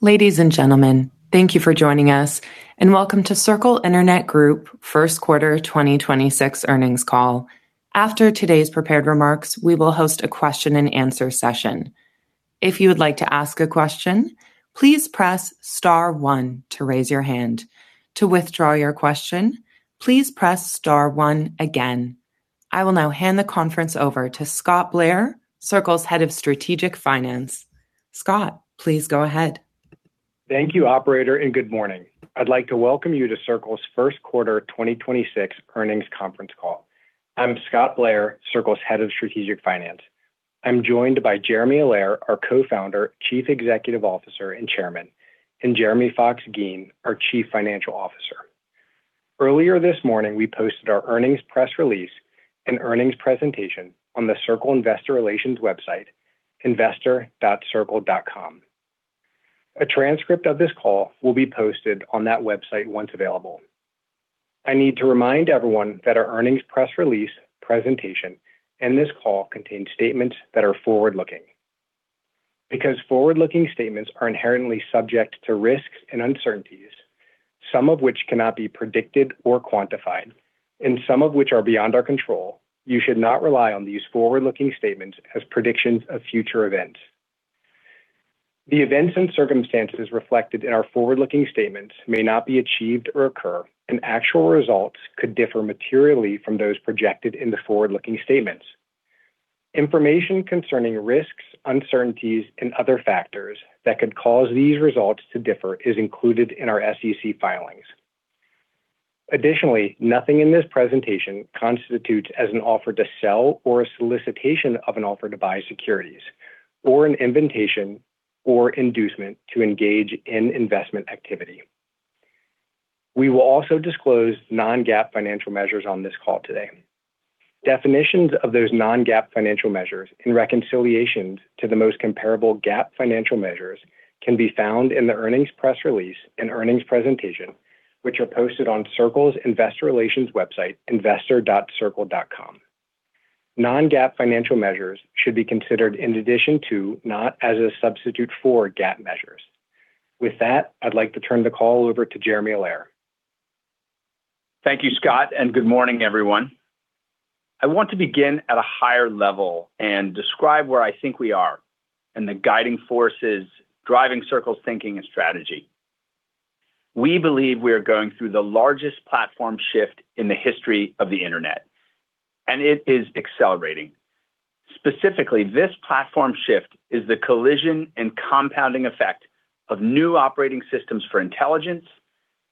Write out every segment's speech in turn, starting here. Ladies and gentlemen, thank you for joining us, and welcome to Circle Internet Group first quarter 2026 earnings call. After today's prepared remarks, we will host a question and answer session. If you would like to ask a question, please press star one to raise your hand. To withdraw your question, please press star one again. I will now hand the conference over to Scott Blair, Circle's Head of Strategic Finance. Scott, please go ahead. Thank you, operator, and good morning. I'd like to welcome you to Circle's first quarter 2026 earnings conference call. I'm Scott Blair, Circle's Head of Strategic Finance. I'm joined by Jeremy Allaire, our Co-founder, Chief Executive Officer, and Chairman, and Jeremy Fox-Geen, our Chief Financial Officer. Earlier this morning, we posted our earnings press release and earnings presentation on the Circle Investor Relations website, investor.circle.com. A transcript of this call will be posted on that website once available. I need to remind everyone that our earnings press release presentation and this call contain statements that are forward-looking. Because forward-looking statements are inherently subject to risks and uncertainties, some of which cannot be predicted or quantified, and some of which are beyond our control, you should not rely on these forward-looking statements as predictions of future events. The events and circumstances reflected in our forward-looking statements may not be achieved or occur, and actual results could differ materially from those projected in the forward-looking statements. Information concerning risks, uncertainties, and other factors that could cause these results to differ is included in our SEC filings. Nothing in this presentation constitutes as an offer to sell or a solicitation of an offer to buy securities or an invitation or inducement to engage in investment activity. We will also disclose non-GAAP financial measures on this call today. Definitions of those non-GAAP financial measures and reconciliations to the most comparable GAAP financial measures can be found in the earnings press release and earnings presentation, which are posted on Circle's Investor Relations website, investor.circle.com. Non-GAAP financial measures should be considered in addition to, not as a substitute for, GAAP measures. With that, I'd like to turn the call over to Jeremy Allaire. Thank you, Scott, and good morning, everyone. I want to begin at a higher level and describe where I think we are and the guiding forces driving Circle's thinking and strategy. We believe we are going through the largest platform shift in the history of the internet, and it is accelerating. Specifically, this platform shift is the collision and compounding effect of new operating systems for intelligence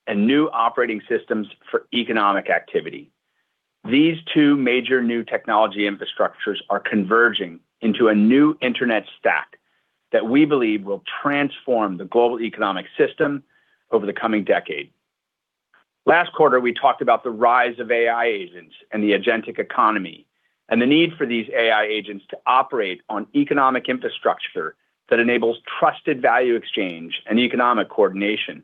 and new operating systems for economic activity. These two major new technology infrastructures are converging into a new internet stack that we believe will transform the global economic system over the coming decade. Last quarter, we talked about the rise of AI agents and the agentic economy, and the need for these AI agents to operate on economic infrastructure that enables trusted value exchange and economic coordination.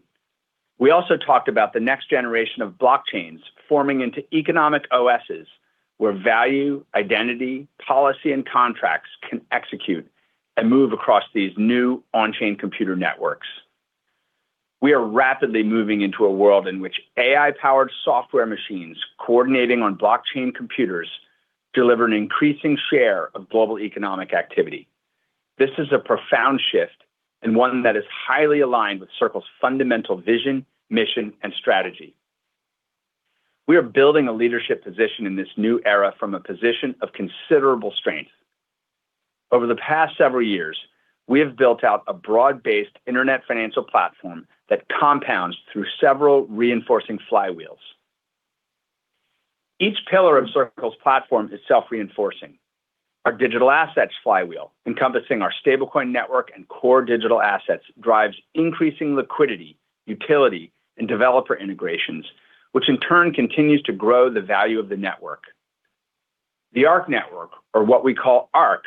We also talked about the next generation of blockchains forming into economic OS's, where value, identity, policy, and contracts can execute and move across these new on-chain computer networks. We are rapidly moving into a world in which AI-powered software machines coordinating on blockchain computers deliver an increasing share of global economic activity. This is a profound shift and one that is highly aligned with Circle's fundamental vision, mission, and strategy. We are building a leadership position in this new era from a position of considerable strength. Over the past several years, we have built out a broad-based internet financial platform that compounds through several reinforcing flywheels. Each pillar of Circle's platform is self-reinforcing. Our digital assets flywheel, encompassing our stablecoin network and core digital assets, drives increasing liquidity, utility, and developer integrations, which in turn continues to grow the value of the network. The Arc network, or what we call Arc,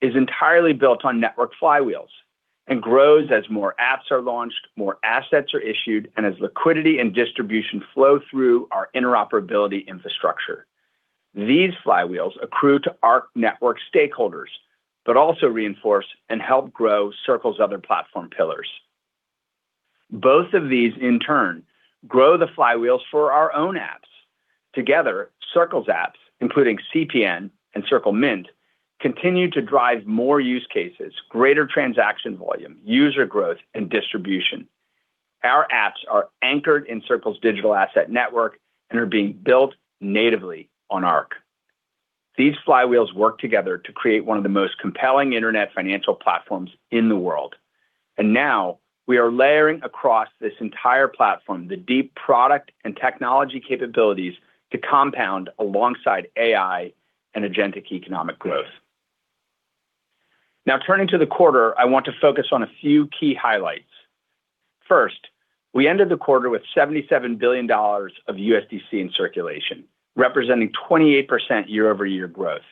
is entirely built on network flywheels and grows as more apps are launched, more assets are issued, and as liquidity and distribution flow through our interoperability infrastructure. These flywheels accrue to Arc network stakeholders, also reinforce and help grow Circle's other platform pillars. Both of these, in turn, grow the flywheels for our own apps. Together, Circle's apps, including CPN and Circle Mint, continue to drive more use cases, greater transaction volume, user growth, and distribution. Our apps are anchored in Circle's digital asset network and are being built natively on Arc. These flywheels work together to create one of the most compelling internet financial platforms in the world. Now we are layering across this entire platform the deep product and technology capabilities to compound alongside AI and agentic economic growth. Turning to the quarter, I want to focus on a few key highlights. First, we ended the quarter with $77 billion of USDC in circulation, representing 28% year-over-year growth.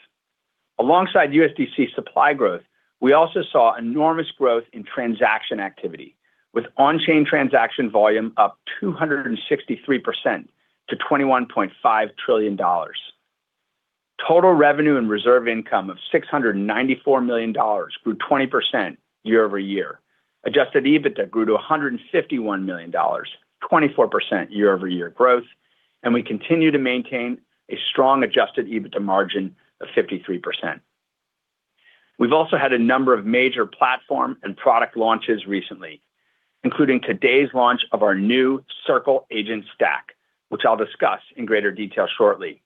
Alongside USDC supply growth, we also saw enormous growth in transaction activity, with on-chain transaction volume up 263% to $21.5 trillion. Total revenue and reserve income of $694 million grew 20% year-over-year. Adjusted EBITDA grew to $151 million, 24% year-over-year growth, and we continue to maintain a strong adjusted EBITDA margin of 53%. We've also had a number of major platform and product launches recently, including today's launch of our new Circle Agent Stack, which I'll discuss in greater detail shortly.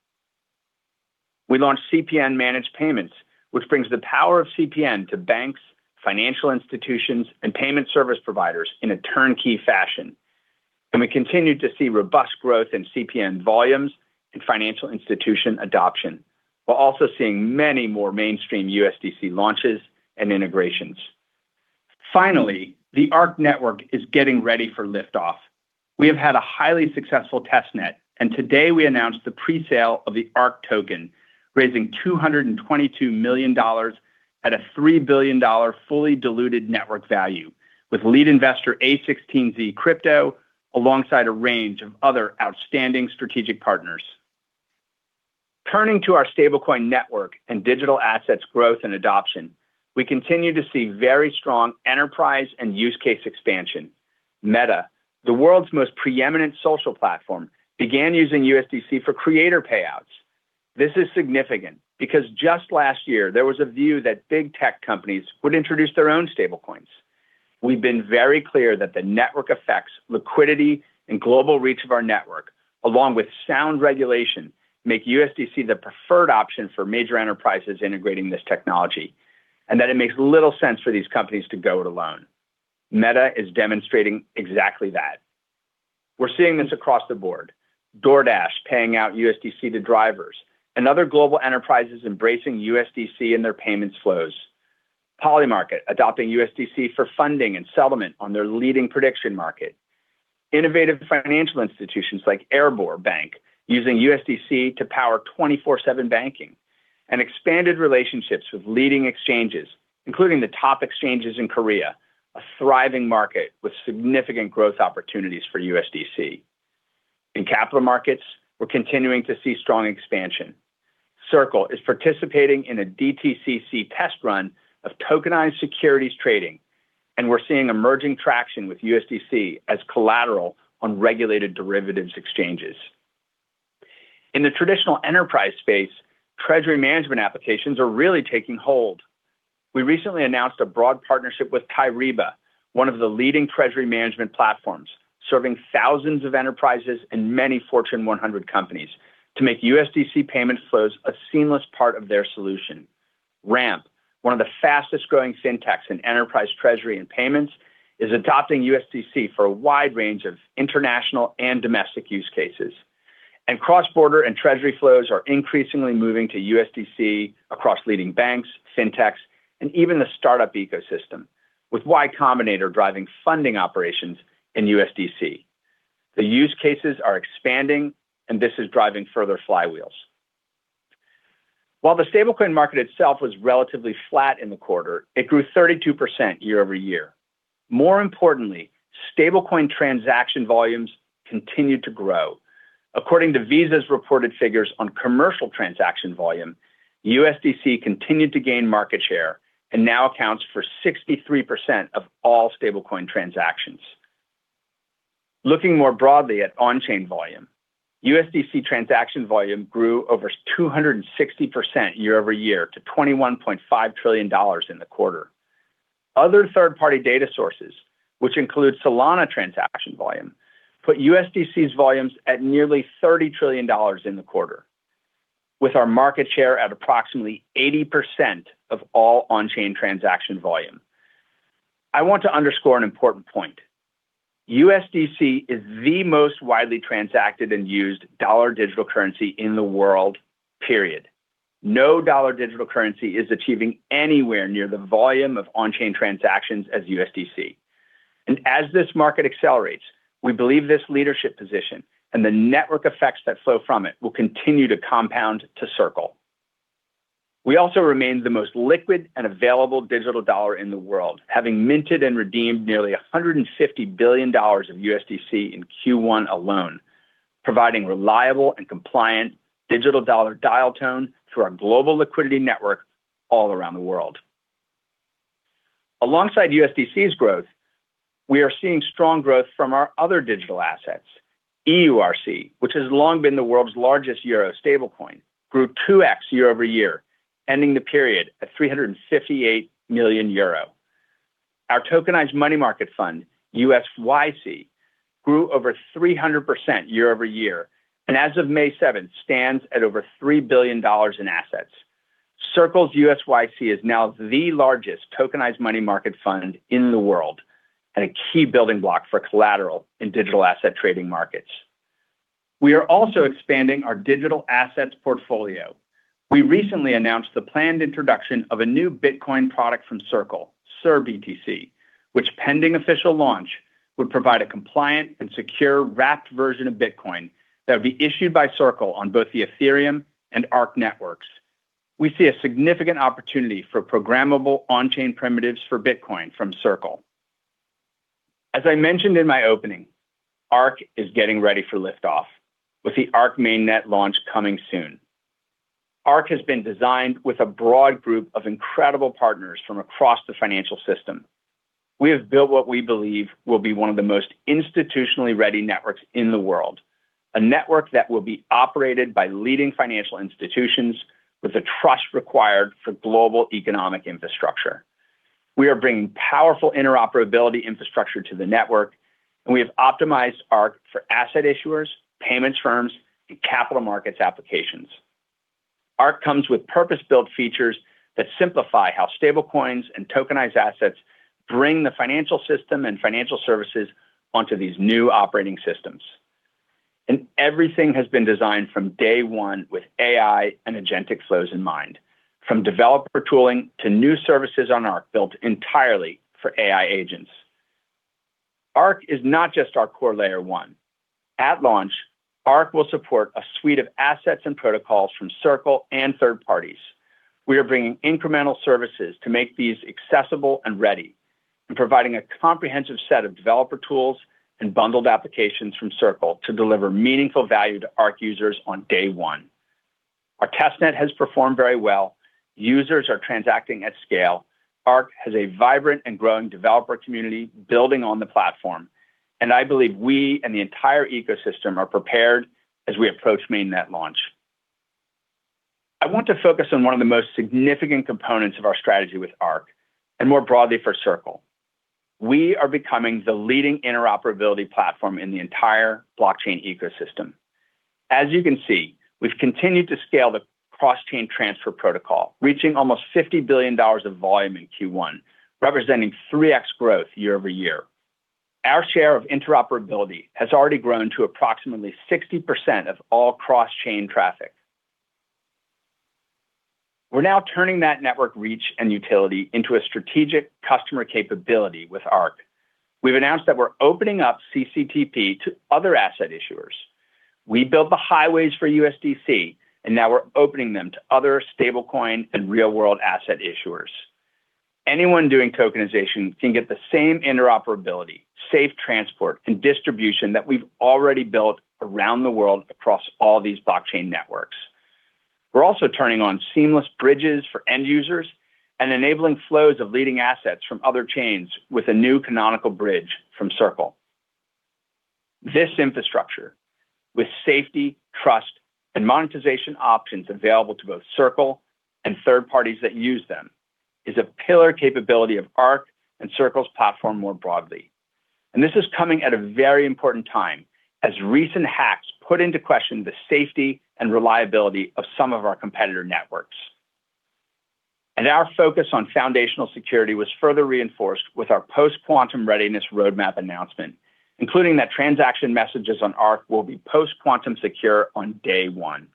We launched CPN Managed Payments, which brings the power of CPN to banks, financial institutions, and payment service providers in a turnkey fashion. We continue to see robust growth in CPN volumes and financial institution adoption. We're also seeing many more mainstream USDC launches and integrations. Finally, the Arc network is getting ready for liftoff. We have had a highly successful test net, and today we announced the pre-sale of the ARC token, raising $222 million at a $3 billion fully diluted network value, with lead investor a16z crypto alongside a range of other outstanding strategic partners. Turning to our stablecoin network and digital assets growth and adoption, we continue to see very strong enterprise and use case expansion. Meta, the world's most preeminent social platform, began using USDC for creator payouts. This is significant because just last year there was a view that big tech companies would introduce their own stablecoins. We've been very clear that the network effects, liquidity, and global reach of our network, along with sound regulation, make USDC the preferred option for major enterprises integrating this technology, and that it makes little sense for these companies to go it alone. Meta is demonstrating exactly that. We're seeing this across the board. DoorDash paying out USDC to drivers and other global enterprises embracing USDC in their payments flows. Polymarket adopting USDC for funding and settlement on their leading prediction market. Innovative financial institutions like Erebor Bank using USDC to power 24/7 banking and expanded relationships with leading exchanges, including the top exchanges in Korea, a thriving market with significant growth opportunities for USDC. In capital markets, we're continuing to see strong expansion. Circle is participating in a DTCC test run of tokenized securities trading, we're seeing emerging traction with USDC as collateral on regulated derivatives exchanges. In the traditional enterprise space, treasury management applications are really taking hold. We recently announced a broad partnership with Kyriba, one of the leading treasury management platforms, serving thousands of enterprises and many Fortune 100 companies to make USDC payment flows a seamless part of their solution. Ramp, one of the fastest growing fintechs in enterprise treasury and payments, is adopting USDC for a wide range of international and domestic use cases. Cross-border and treasury flows are increasingly moving to USDC across leading banks, fintechs, and even the startup ecosystem, with Y Combinator driving funding operations in USDC. The use cases are expanding, and this is driving further flywheels. While the stablecoin market itself was relatively flat in the quarter, it grew 32% year-over-year. More importantly, stablecoin transaction volumes continued to grow. According to Visa's reported figures on commercial transaction volume, USDC continued to gain market share and now accounts for 63% of all stablecoin transactions. Looking more broadly at on-chain volume, USDC transaction volume grew over 260% year-over-year to $21.5 trillion in the quarter. Other third-party data sources, which include Solana transaction volume, put USDC's volumes at nearly $30 trillion in the quarter, with our market share at approximately 80% of all on-chain transaction volume. I want to underscore an important point. USDC is the most widely transacted and used dollar digital currency in the world, period. No dollar digital currency is achieving anywhere near the volume of on-chain transactions as USDC. As this market accelerates, we believe this leadership position and the network effects that flow from it will continue to compound to Circle. We also remain the most liquid and available digital dollar in the world, having minted and redeemed nearly $150 billion of USDC in Q1 alone, providing reliable and compliant digital dollar dial tone through our global liquidity network all around the world. Alongside USDC's growth, we are seeing strong growth from our other digital assets. EURC, which has long been the world's largest euro stablecoin, grew 2x year-over-year, ending the period at 358 million euro. Our tokenized money market fund, USYC, grew over 300% year-over-year, and as of May 7th, stands at over $3 billion in assets. Circle's USYC is now the largest tokenized money market fund in the world and a key building block for collateral in digital asset trading markets. We are also expanding our digital assets portfolio. We recently announced the planned introduction of a new Bitcoin product from Circle, cirBTC, which pending official launch would provide a compliant and secure wrapped version of Bitcoin that would be issued by Circle on both the Ethereum and Arc networks. We see a significant opportunity for programmable on-chain primitives for Bitcoin from Circle. As I mentioned in my opening, Arc is getting ready for liftoff, with the Arc mainnet launch coming soon. Arc has been designed with a broad group of incredible partners from across the financial system. We have built what we believe will be one of the most institutionally ready networks in the world, a network that will be operated by leading financial institutions with the trust required for global economic infrastructure. We are bringing powerful interoperability infrastructure to the network, and we have optimized Arc for asset issuers, payments firms, and capital markets applications. Arc comes with purpose-built features that simplify how stablecoins and tokenized assets bring the financial system and financial services onto these new operating systems. Everything has been designed from day one with AI and agentic flows in mind, from developer tooling to new services on Arc built entirely for AI agents. Arc is not just our core Layer-1. At launch, Arc will support a suite of assets and protocols from Circle and third parties. We are bringing incremental services to make these accessible and ready, and providing a comprehensive set of developer tools and bundled applications from Circle to deliver meaningful value to Arc users on day one. Our test net has performed very well. Users are transacting at scale. Arc has a vibrant and growing developer community building on the platform. I believe we and the entire ecosystem are prepared as we approach mainnet launch. I want to focus on one of the most significant components of our strategy with Arc, and more broadly for Circle. We are becoming the leading interoperability platform in the entire blockchain ecosystem. As you can see, we've continued to scale the Cross-Chain Transfer Protocol, reaching almost $50 billion of volume in Q1, representing 3x growth year-over-year. Our share of interoperability has already grown to approximately 60% of all cross-chain traffic. We're now turning that network reach and utility into a strategic customer capability with Arc. We've announced that we're opening up CCTP to other asset issuers. We built the highways for USDC. Now we're opening them to other stablecoin and real world asset issuers. Anyone doing tokenization can get the same interoperability, safe transport, and distribution that we've already built around the world across all these blockchain networks. We're also turning on seamless bridges for end users and enabling flows of leading assets from other chains with a new canonical bridge from Circle. This infrastructure, with safety, trust, and monetization options available to both Circle and third parties that use them, is a pillar capability of Arc and Circle's platform more broadly. This is coming at a very important time, as recent hacks put into question the safety and reliability of some of our competitor networks. Our focus on foundational security was further reinforced with our post-quantum readiness roadmap announcement, including that transaction messages on Arc will be post-quantum secure on day one.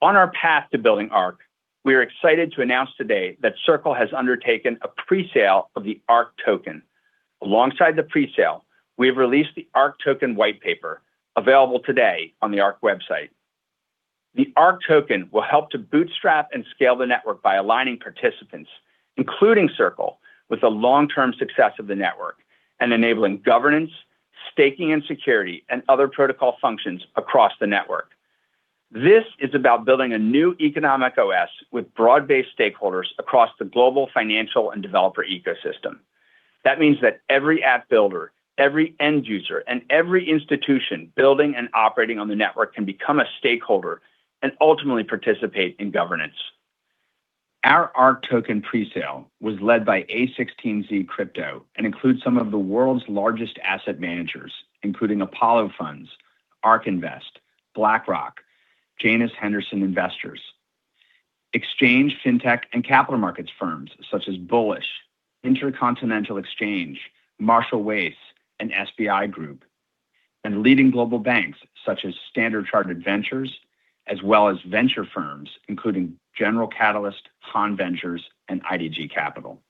On our path to building Arc, we are excited to announce today that Circle has undertaken a pre-sale of the ARC token. Alongside the pre-sale, we have released the ARC token whitepaper, available today on the Arc website. The ARC token will help to bootstrap and scale the network by aligning participants, including Circle, with the long-term success of the network and enabling governance, staking and security, and other protocol functions across the network. This is about building a new economic OS with broad-based stakeholders across the global financial and developer ecosystem. That means that every app builder, every end user, and every institution building and operating on the network can become a stakeholder and ultimately participate in governance. Our ARC token pre-sale was led by a16z crypto and includes some of the world's largest asset managers, including Apollo Funds, ARK Invest, BlackRock, Janus Henderson Investors, exchange, fintech, and capital markets firms such as Bullish, Intercontinental Exchange, Marshall Wace, and SBI Group, and leading global banks such as Standard Chartered Ventures, as well as venture firms including General Catalyst, Hana Ventures, and IDG Capital.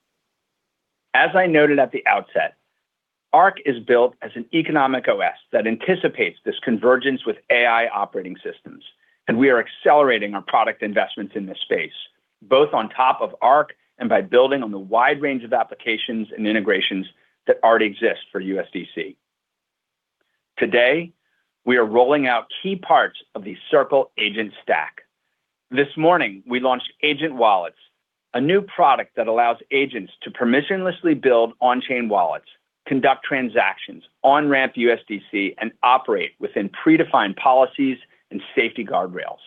As I noted at the outset, Arc is built as an economic OS that anticipates this convergence with AI operating systems, and we are accelerating our product investments in this space, both on top of Arc and by building on the wide range of applications and integrations that already exist for USDC. Today, we are rolling out key parts of the Circle Agent Stack. This morning, we launched Agent Wallets, a new product that allows agents to permissionlessly build on-chain wallets, conduct transactions, on-ramp USDC, and operate within predefined policies and safety guardrails.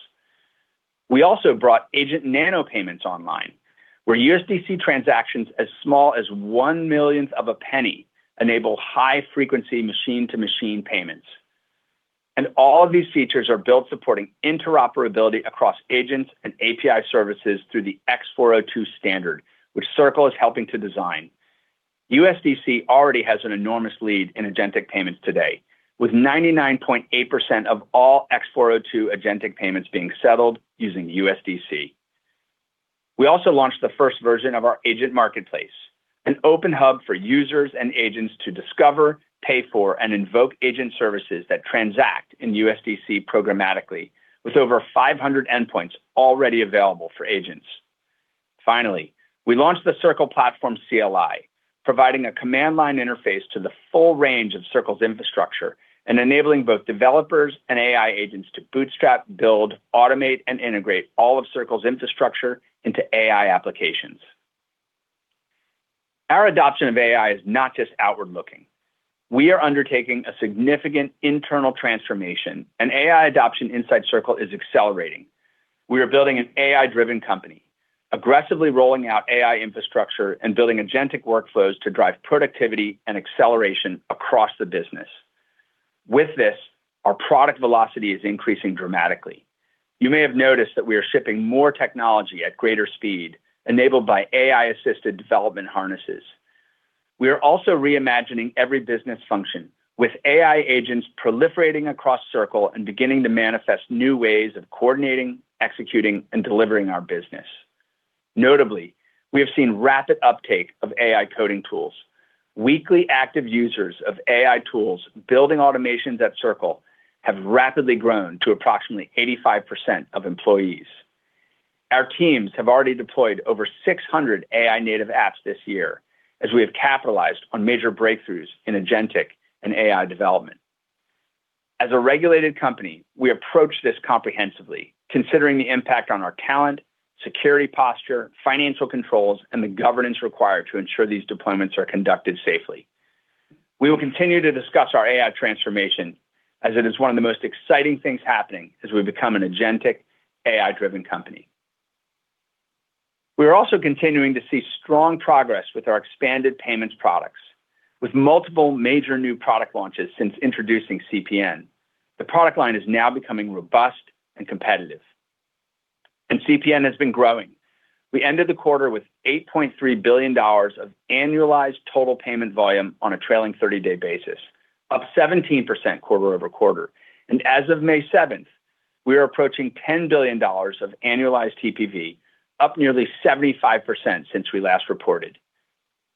We also brought agent Nanopayments online, where USDC transactions as small as one millionth of a penny enable high frequency machine-to-machine payments. All of these features are built supporting interoperability across agents and API services through the x402 standard, which Circle is helping to design. USDC already has an enormous lead in agentic payments today, with 99.8% of all x402 agentic payments being settled using USDC. We also launched the first version of our Agent Marketplace, an open hub for users and agents to discover, pay for, and invoke agent services that transact in USDC programmatically with over 500 endpoints already available for agents. Finally, we launched the Circle platform CLI, providing a command line interface to the full range of Circle's infrastructure and enabling both developers and AI agents to bootstrap, build, automate, and integrate all of Circle's infrastructure into AI applications. Our adoption of AI is not just outward-looking. We are undertaking a significant internal transformation, and AI adoption inside Circle is accelerating. We are building an AI-driven company, aggressively rolling out AI infrastructure and building agentic workflows to drive productivity and acceleration across the business. With this, our product velocity is increasing dramatically. You may have noticed that we are shipping more technology at greater speed, enabled by AI-assisted development harnesses. We are also reimagining every business function, with AI agents proliferating across Circle and beginning to manifest new ways of coordinating, executing, and delivering our business. Notably, we have seen rapid uptake of AI coding tools. Weekly active users of AI tools building automations at Circle have rapidly grown to approximately 85% of employees. Our teams have already deployed over 600 AI native apps this year, as we have capitalized on major breakthroughs in agentic and AI development. As a regulated company, we approach this comprehensively, considering the impact on our talent, security posture, financial controls, and the governance required to ensure these deployments are conducted safely. We will continue to discuss our AI transformation as it is one of the most exciting things happening as we become an agentic AI-driven company. We are also continuing to see strong progress with our expanded payments products. With multiple major new product launches since introducing CPN, the product line is now becoming robust and competitive. CPN has been growing. We ended the quarter with $8.3 billion of annualized total payment volume on a trailing 30-day basis, up 17% quarter-over-quarter. As of May 7th, we are approaching $10 billion of annualized TPV, up nearly 75% since we last reported.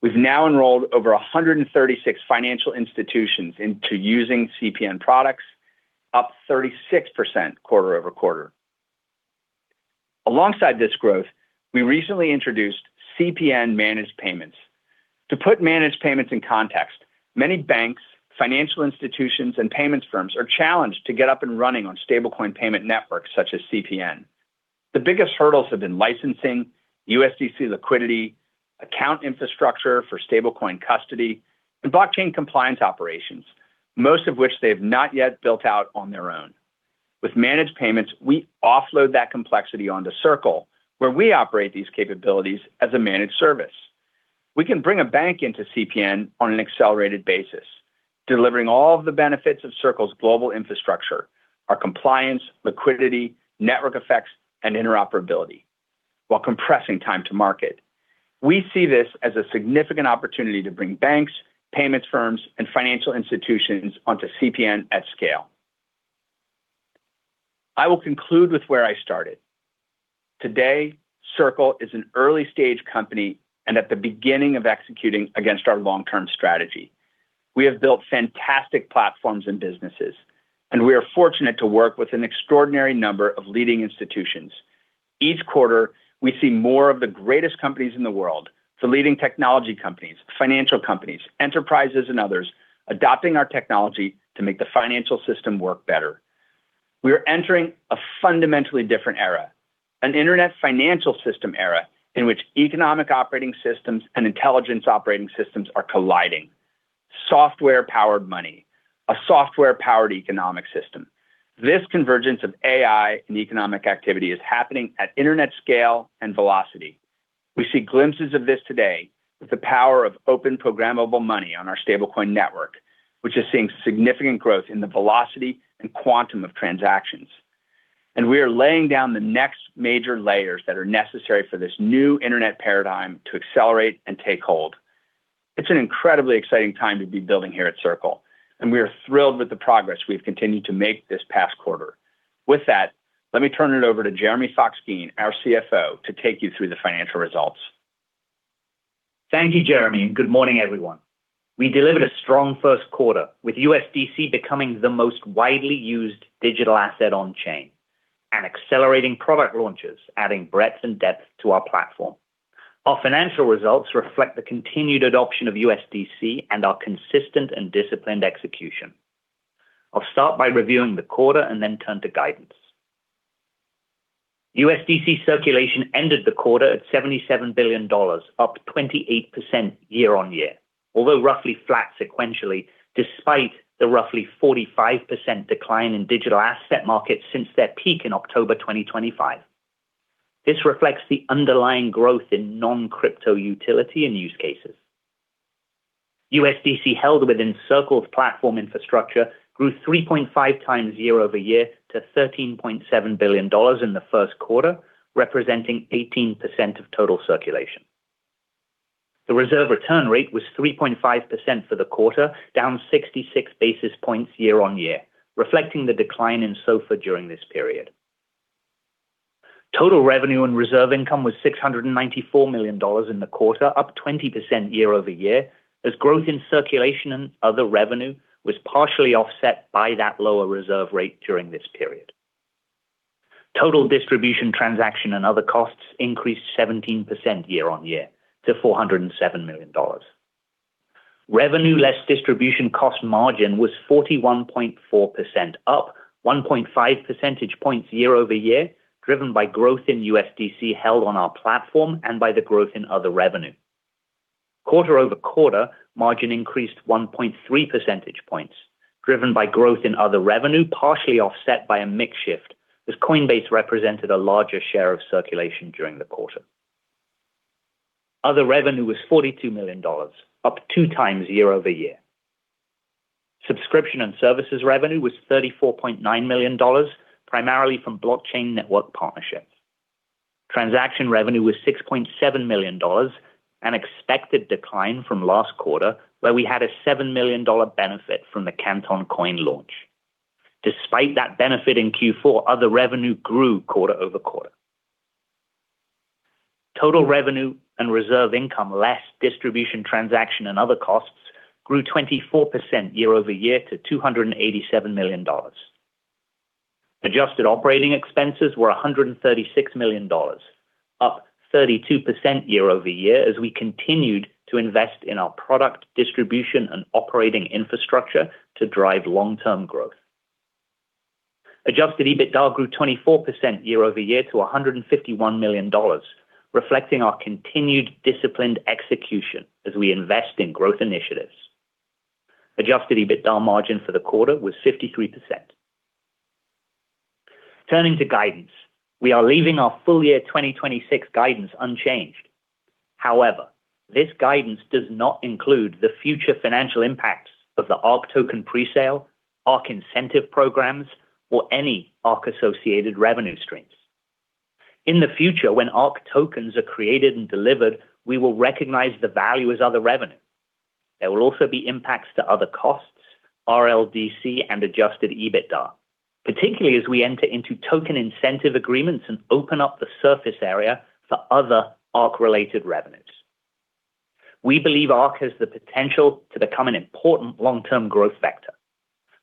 We've now enrolled over 136 financial institutions into using CPN products, up 36% quarter-over-quarter. Alongside this growth, we recently introduced CPN Managed Payments. To put managed payments in context, many banks, financial institutions, and payments firms are challenged to get up and running on stablecoin payment networks such as CPN. The biggest hurdles have been licensing, USDC liquidity, account infrastructure for stablecoin custody, and blockchain compliance operations, most of which they have not yet built out on their own. With managed payments, we offload that complexity onto Circle, where we operate these capabilities as a managed service. We can bring a bank into CPN on an accelerated basis, delivering all of the benefits of Circle's global infrastructure, our compliance, liquidity, network effects, and interoperability, while compressing time to market. We see this as a significant opportunity to bring banks, payments firms, and financial institutions onto CPN at scale. I will conclude with where I started. Today, Circle is an early-stage company and at the beginning of executing against our long-term strategy. We have built fantastic platforms and businesses, and we are fortunate to work with an extraordinary number of leading institutions. Each quarter, we see more of the greatest companies in the world, the leading technology companies, financial companies, enterprises, and others adopting our technology to make the financial system work better. We are entering a fundamentally different era, an internet financial system era in which economic operating systems and intelligence operating systems are colliding. Software-powered money, a software-powered economic system. This convergence of AI and economic activity is happening at internet scale and velocity. We see glimpses of this today with the power of open programmable money on our stablecoin network, which is seeing significant growth in the velocity and quantum of transactions. We are laying down the next major layers that are necessary for this new internet paradigm to accelerate and take hold. It's an incredibly exciting time to be building here at Circle, and we are thrilled with the progress we've continued to make this past quarter. With that, let me turn it over to Jeremy Fox-Geen, our CFO, to take you through the financial results. Thank you, Jeremy, and good morning, everyone. We delivered a strong first quarter, with USDC becoming the most widely used digital asset on-chain and accelerating product launches, adding breadth and depth to our platform. Our financial results reflect the continued adoption of USDC and our consistent and disciplined execution. I'll start by reviewing the quarter and then turn to guidance. USDC circulation ended the quarter at $77 billion, up 28% year-on-year, although roughly flat sequentially, despite the roughly 45% decline in digital asset markets since their peak in October 2025. This reflects the underlying growth in non-crypto utility and use cases. USDC held within Circle's platform infrastructure grew 3.5x year-over-year to $13.7 billion in the first quarter, representing 18% of total circulation. The reserve return rate was 3.5% for the quarter, down 66 basis points year-over-year, reflecting the decline in SOFR during this period. Total revenue and reserve income was $694 million in the quarter, up 20% year-over-year, as growth in circulation and other revenue was partially offset by that lower reserve rate during this period. Total distribution transaction and other costs increased 17% year-on-year to $407 million. Revenue less distribution cost margin was 41.4% up, 1.5 percentage points year-over-year, driven by growth in USDC held on our platform and by the growth in other revenue. Quarter-over-quarter, margin increased 1.3 percentage points, driven by growth in other revenue, partially offset by a mix shift, as Coinbase represented a larger share of circulation during the quarter. Other revenue was $42 million, up 2x year-over-year. Subscription and services revenue was $34.9 million, primarily from blockchain network partnerships. Transaction revenue was $6.7 million, an expected decline from last quarter, where we had a $7 million benefit from the Canton Coin launch. Despite that benefit in Q4, other revenue grew quarter-over-quarter. Total revenue and reserve income less distribution transaction and other costs grew 24% year-over-year to $287 million. Adjusted operating expenses were $136 million, up 32% year-over-year as we continued to invest in our product distribution and operating infrastructure to drive long-term growth. Adjusted EBITDA grew 24% year-over-year to $151 million, reflecting our continued disciplined execution as we invest in growth initiatives. Adjusted EBITDA margin for the quarter was 53%. Turning to guidance, we are leaving our full year 2026 guidance unchanged. This guidance does not include the future financial impacts of the ARC token presale, ARC incentive programs, or any ARC associated revenue streams. In the future, when ARC tokens are created and delivered, we will recognize the value as other revenue. There will also be impacts to other costs, RLDC and adjusted EBITDA, particularly as we enter into token incentive agreements and open up the surface area for other Arc-related revenues. We believe Arc has the potential to become an important long-term growth vector.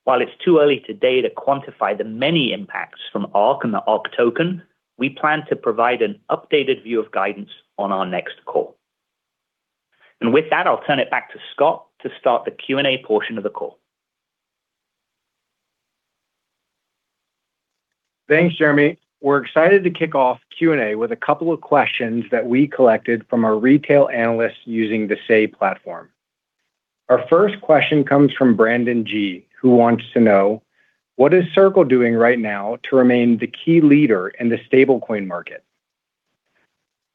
While it's too early today to quantify the many impacts from Arc and the ARC token, we plan to provide an updated view of guidance on our next call. With that, I'll turn it back to Scott to start the Q&A portion of the call. Thanks, Jeremy. We're excited to kick off Q&A with a couple of questions that we collected from our retail analysts using the Say platform. Our first question comes from Brandon G., who wants to know, what is Circle doing right now to remain the key leader in the stablecoin market?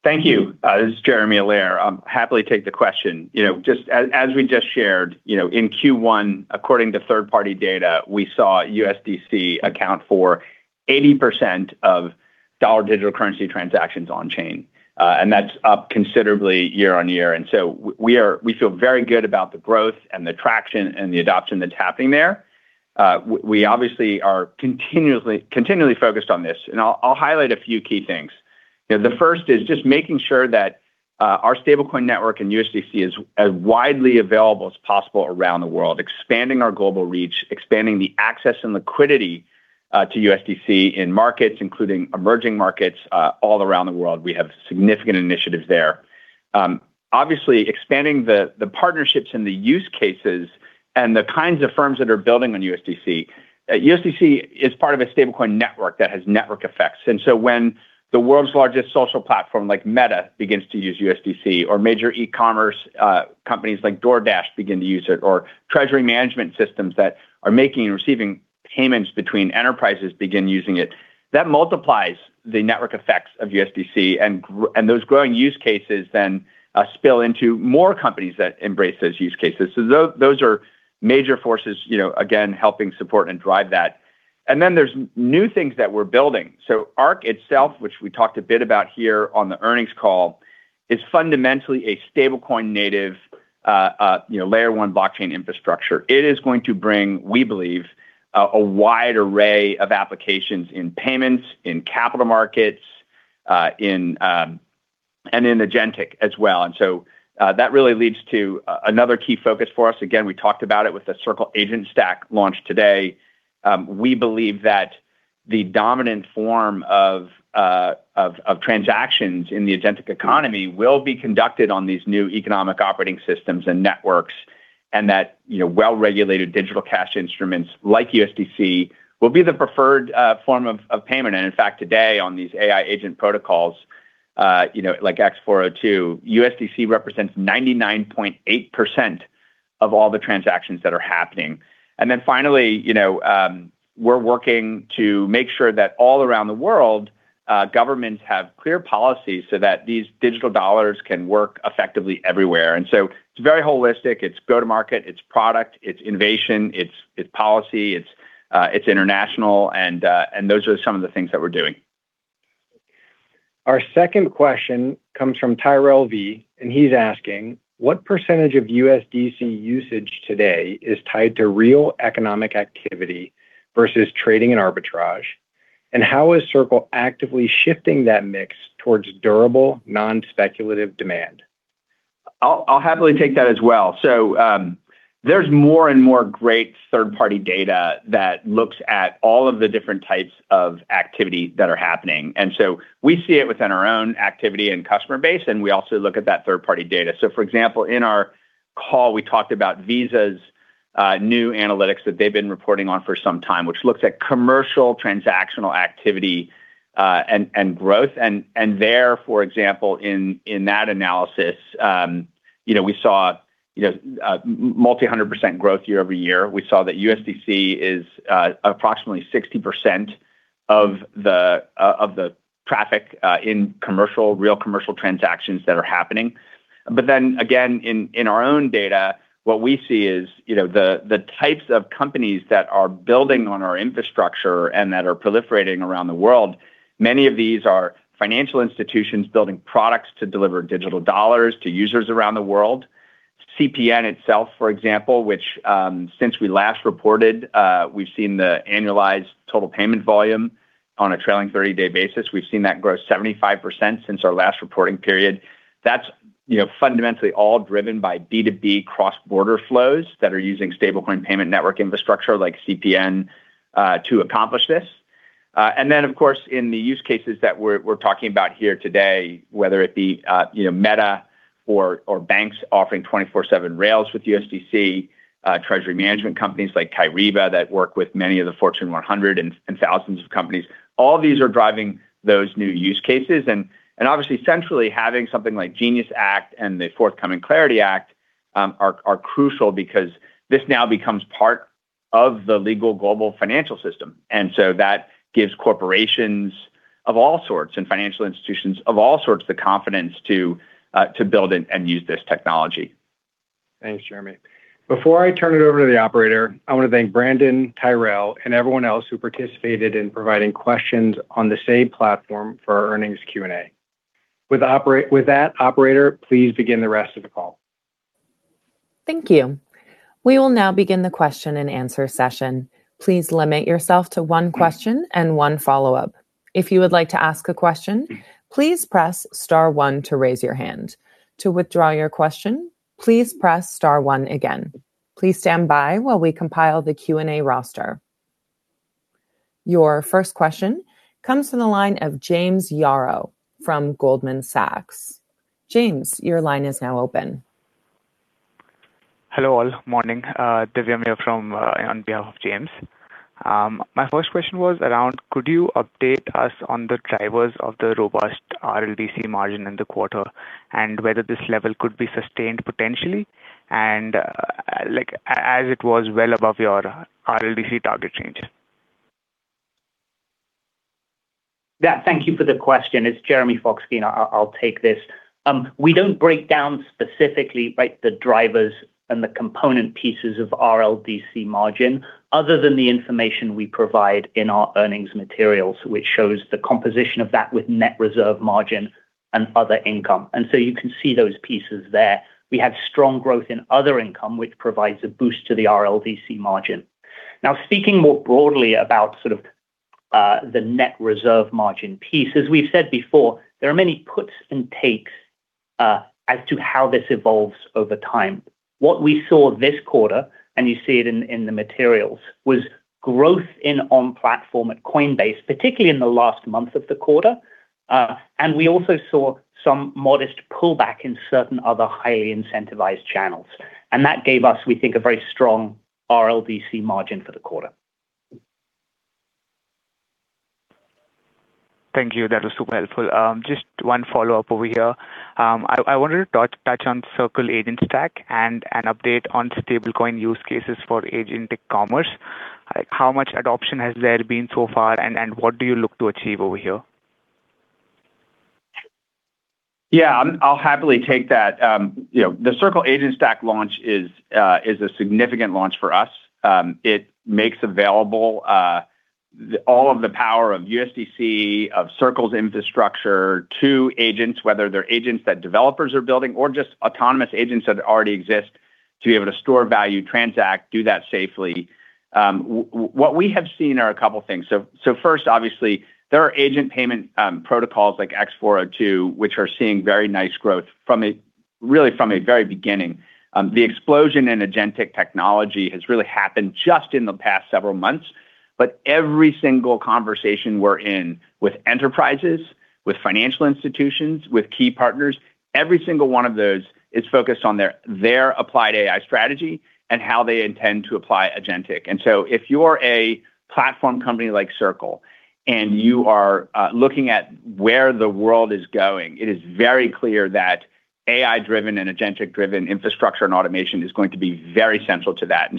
Thank you. This is Jeremy Allaire. I'll happily take the question. You know, just as we just shared, you know, in Q1, according to third-party data, we saw USDC account for 80% of dollar digital currency transactions on chain. That's up considerably year-on-year. We feel very good about the growth and the traction and the adoption that's happening there. We obviously are continuously, continually focused on this, and I'll highlight a few key things. You know, the first is just making sure that our stablecoin network and USDC is as widely available as possible around the world, expanding our global reach, expanding the access and liquidity to USDC in markets, including emerging markets all around the world. We have significant initiatives there. Obviously expanding the partnerships and the use cases and the kinds of firms that are building on USDC. USDC is part of a stablecoin network that has network effects. When the world's largest social platform like Meta begins to use USDC or major e-commerce companies like DoorDash begin to use it, or treasury management systems that are making and receiving payments between enterprises begin using it, that multiplies the network effects of USDC and those growing use cases then spill into more companies that embrace those use cases. Those are major forces, you know, again, helping support and drive that. There's new things that we're building. Arc itself, which we talked a bit about here on the earnings call, is fundamentally a stablecoin native, Layer-1 blockchain infrastructure. It is going to bring, we believe, a wide array of applications in payments, in capital markets, in, and in agentic as well. That really leads to another key focus for us. Again, we talked about it with the Circle Agent Stack launch today. We believe that the dominant form of transactions in the agentic economy will be conducted on these new economic operating systems and networks, and that, you know, well-regulated digital cash instruments like USDC will be the preferred form of payment. In fact, today, on these AI agent protocols, you know, like x402, USDC represents 99.8% of all the transactions that are happening. Finally, you know, we're working to make sure that all around the world, governments have clear policies so that these digital dollars can work effectively everywhere. It's very holistic. It's go-to-market, it's product, it's innovation, it's policy, it's international, and those are some of the things that we're doing. Our second question comes from Tyrell V. He's asking, what percentage of USDC usage today is tied to real economic activity versus trading and arbitrage? How is Circle actively shifting that mix towards durable, non-speculative demand? I'll happily take that as well. There's more and more great third-party data that looks at all of the different types of activity that are happening. We see it within our own activity and customer base, and we also look at that third-party data. For example, in our call, we talked about Visa's new analytics that they've been reporting on for some time, which looks at commercial transactional activity and growth. There, for example, in that analysis, you know, we saw, you know, a multi-hundred percent growth year-over-year. We saw that USDC is approximately 60% of the traffic in real commercial transactions that are happening. Again, in our own data, what we see is, you know, the types of companies that are building on our infrastructure and that are proliferating around the world, many of these are financial institutions building products to deliver digital dollars to users around the world. CPN itself, for example, which, since we last reported, we've seen the annualized total payment volume on a trailing 30-day basis. We've seen that grow 75% since our last reporting period. That's, you know, fundamentally all driven by B2B cross-border flows that are using stablecoin payment network infrastructure like CPN to accomplish this. Of course, in the use cases that we're talking about here today, whether it be, you know, Meta or banks offering 24/7 rails with USDC, treasury management companies like Kyriba that work with many of the Fortune 100 and thousands of companies, all these are driving those new use cases. Obviously centrally having something like GENIUS Act and the forthcoming CLARITY Act are crucial because this now becomes part of the legal global financial system. That gives corporations of all sorts and financial institutions of all sorts the confidence to build and use this technology. Thanks, Jeremy. Before I turn it over to the operator, I wanna thank Brandon, Tyrell, and everyone else who participated in providing questions on the same platform for our earnings Q&A. With that, operator, please begin the rest of the call. Thank you. We will now begin the question-and-answer session. Please limit yourself to one question and one follow-up. If you would like to ask a question, please press star one to raise your hand. To withdraw your question, please press star one again. Please stand by while we compile the Q&A roster. Your first question comes from the line of James Yaro from Goldman Sachs. James, your line is now open. Hello, all. Morning. Divyam here from on behalf of James. My first question was around could you update us on the drivers of the robust RLDC margin in the quarter, and whether this level could be sustained potentially as it was well above your RLDC target change? Yeah, thank you for the question. It's Jeremy Fox-Geen. I'll take this. We don't break down specifically, right, the drivers and the component pieces of RLDC margin other than the information we provide in our earnings materials, which shows the composition of that with net reserve margin and other income. You can see those pieces there. We have strong growth in other income, which provides a boost to the RLDC margin. Speaking more broadly about sort of the net reserve margin piece, as we've said before, there are many puts and takes as to how this evolves over time. What we saw this quarter, and you see it in the materials, was growth in on-platform at Coinbase, particularly in the last month of the quarter. We also saw some modest pullback in certain other highly incentivized channels. That gave us, we think, a very strong RLDC margin for the quarter. Thank you. That was super helpful. Just one follow-up over here. I wanted to touch on Circle Agent Stack and an update on stablecoin use cases for agent e-commerce. Like, how much adoption has there been so far, and what do you look to achieve over here? I'll happily take that. You know, the Circle Agent Stack launch is a significant launch for us. It makes available all of the power of USDC, of Circle's infrastructure to agents, whether they're agents that developers are building or just autonomous agents that already exist to be able to store value, transact, do that safely. What we have seen are a couple things. First, obviously, there are agent payment protocols like x402, which are seeing very nice growth from a very beginning. The explosion in agentic technology has really happened just in the past several months. Every single conversation we're in with enterprises, with financial institutions, with key partners, every single one of those is focused on their applied AI strategy and how they intend to apply agentic. If you're a platform company like Circle, and you are looking at where the world is going, it is very clear that AI-driven and agentic-driven infrastructure and automation is going to be very central to that.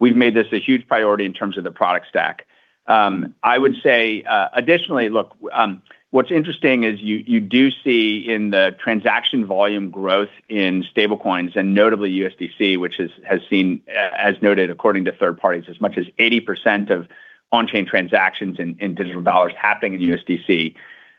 We've made this a huge priority in terms of the product stack. I would say, additionally, look, what's interesting is you do see in the transaction volume growth in stable coins and notably USDC, which is, has seen, as noted according to third parties, as much as 80% of on-chain transactions in digital dollars happening in USDC.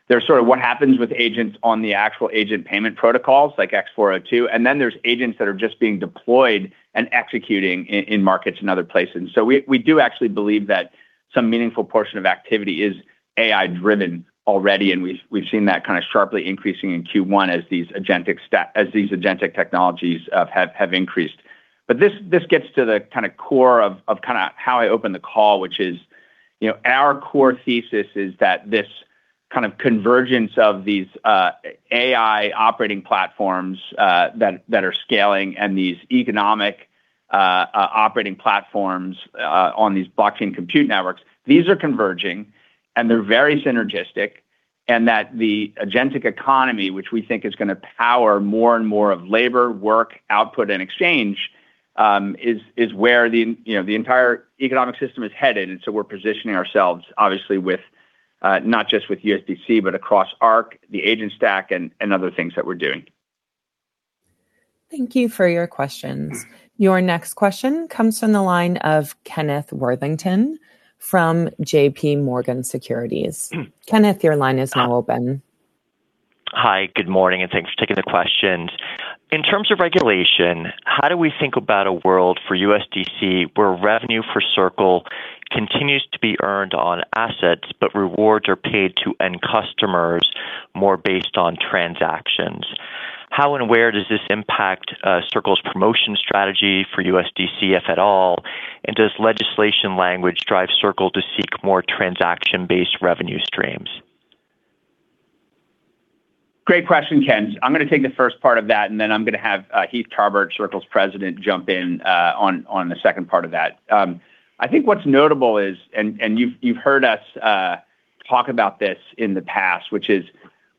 There's sort of what happens with agents on the actual agent payment protocols like x402, and then there's agents that are just being deployed and executing in markets and other places. We do actually believe that some meaningful portion of activity is AI-driven already, and we've seen that kind of sharply increasing in Q1 as these agentic technologies have increased. This gets to the kinda core of kinda how I opened the call, which is, you know, our core thesis is that this kind of convergence of these AI operating platforms that are scaling and these economic operating platforms on these blockchain compute networks, these are converging, and they're very synergistic, and that the agentic economy, which we think is gonna power more and more of labor, work, output, and exchange, is where the, you know, the entire economic system is headed. We're positioning ourselves, obviously, with, not just with USDC, but across Arc, the Agent Stack, and other things that we're doing. Thank you for your questions. Your next question comes from the line of Kenneth Worthington from JPMorgan Securities. Kenneth, your line is now open. Hi, good morning, and thanks for taking the questions. In terms of regulation, how do we think about a world for USDC where revenue for Circle continues to be earned on assets, but rewards are paid to end customers more based on transactions? How and where does this impact Circle's promotion strategy for USDC, if at all? Does legislation language drive Circle to seek more transaction-based revenue streams? Great question, Ken. I'm gonna take the first part of that, and then I'm gonna have Heath Tarbert, Circle's President, jump in on the second part of that. I think what's notable is, and you've heard us talk about this in the past, which is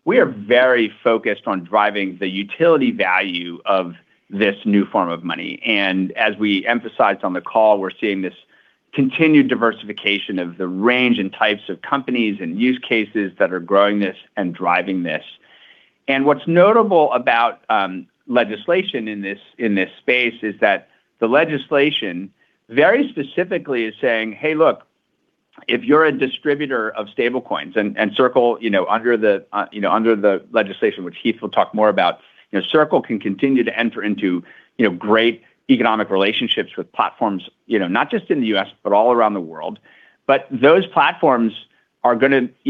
we are very focused on driving the utility value of this new form of money. As we emphasized on the call, we're seeing this continued diversification of the range and types of companies and use cases that are growing this and driving this. What's notable about legislation in this space is that the legislation very specifically is saying, "Hey, look, if you're a distributor of stablecoins," and Circle, you know, under the, you know, under the legislation, which Heath will talk more about, you know, Circle can continue to enter into, you know, great economic relationships with platforms, you know, not just in the U.S., but all around the world. Those platforms, you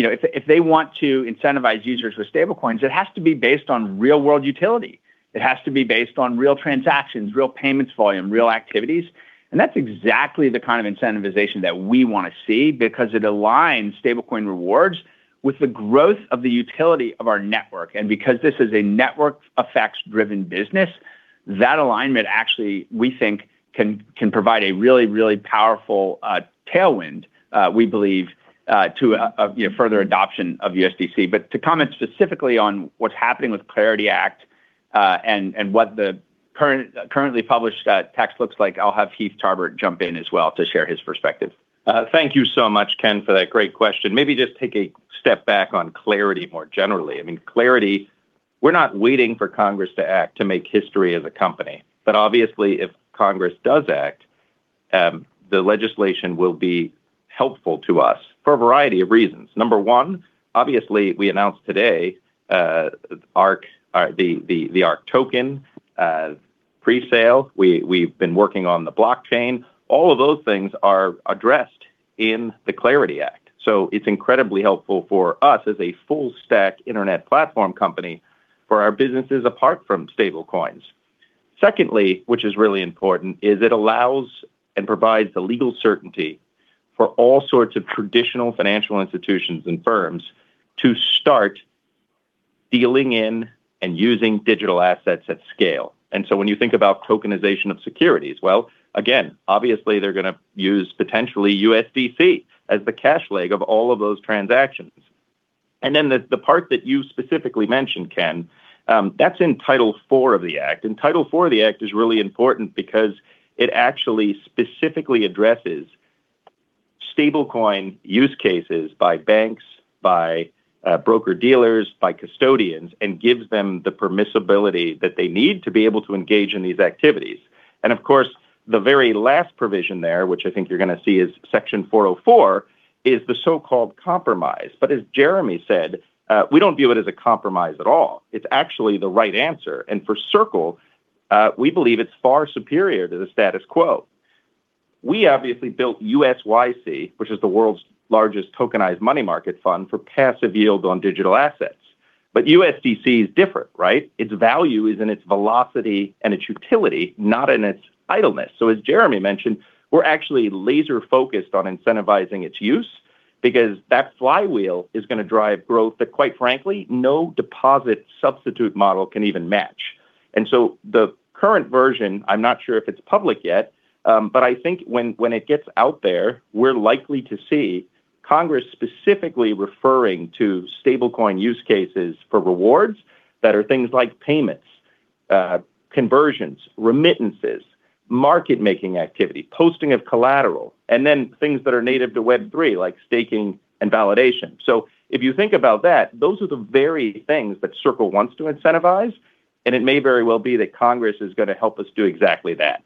know, if they want to incentivize users with stablecoins, it has to be based on real-world utility. It has to be based on real transactions, real payments volume, real activities, and that's exactly the kind of incentivization that we want to see because it aligns stablecoin rewards with the growth of the utility of our network. Because this is a network effects-driven business, that alignment actually, we think, can provide a really, really powerful tailwind, we believe, you know, to a further adoption of USDC. To comment specifically on what's happening with CLARITY Act, and what the currently published text looks like, I'll have Heath Tarbert jump in as well to share his perspective. Thank you so much, Ken, for that great question. Maybe just take a step back on CLARITY more generally. I mean, CLARITY, we're not waiting for Congress to act to make history as a company. Obviously, if Congress does act, the legislation will be helpful to us for a variety of reasons. Number one, obviously, we announced today, ARC, the ARC token presale. We've been working on the blockchain. All of those things are addressed in the CLARITY Act, so it's incredibly helpful for us as a full-stack internet platform company for our businesses apart from stablecoins. Secondly, which is really important, is it allows and provides the legal certainty for all sorts of traditional financial institutions and firms to start dealing in and using digital assets at scale. When you think about tokenization of securities, well, again, obviously they're going to use potentially USDC as the cash leg of all of those transactions. The part that you specifically mentioned, Ken, that's in Title IV of the act, and Title IV of the act is really important because it actually specifically addresses stablecoin use cases by banks, by broker-dealers, by custodians, and gives them the permissibility that they need to be able to engage in these activities. Of course, the very last provision there, which I think you're going to see is Section 404, is the so-called compromise. As Jeremy said, we don't view it as a compromise at all. It's actually the right answer. For Circle, we believe it's far superior to the status quo. We obviously built USYC, which is the world's largest tokenized money market fund for passive yield on digital assets, but USDC is different, right? Its value is in its velocity and its utility, not in its idleness. As Jeremy mentioned, we're actually laser-focused on incentivizing its use because that flywheel is gonna drive growth that, quite frankly, no deposit substitute model can even match. The current version, I'm not sure if it's public yet, but I think when it gets out there, we're likely to see Congress specifically referring to stablecoin use cases for rewards that are things like payments, conversions, remittances, market-making activity, posting of collateral, and then things that are native to Web3, like staking and validation. If you think about that, those are the very things that Circle wants to incentivize, and it may very well be that Congress is going to help us do exactly that.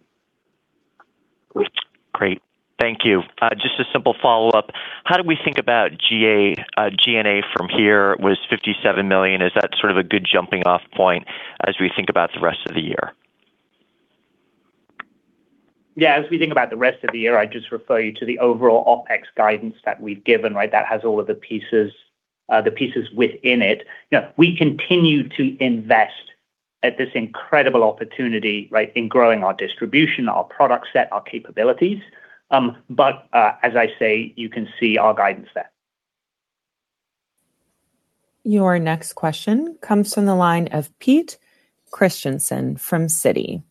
Great. Thank you. Just a simple follow-up. How do we think about G&A from here? It was $57 million. Is that sort of a good jumping-off point as we think about the rest of the year? Yeah, as we think about the rest of the year, I'd just refer you to the overall OpEx guidance that we've given, right? That has all of the pieces within it. You know, we continue to invest at this incredible opportunity, right, in growing our distribution, our product set, our capabilities. As I say, you can see our guidance there. Your next question comes from the line of Pete Christiansen from Citi.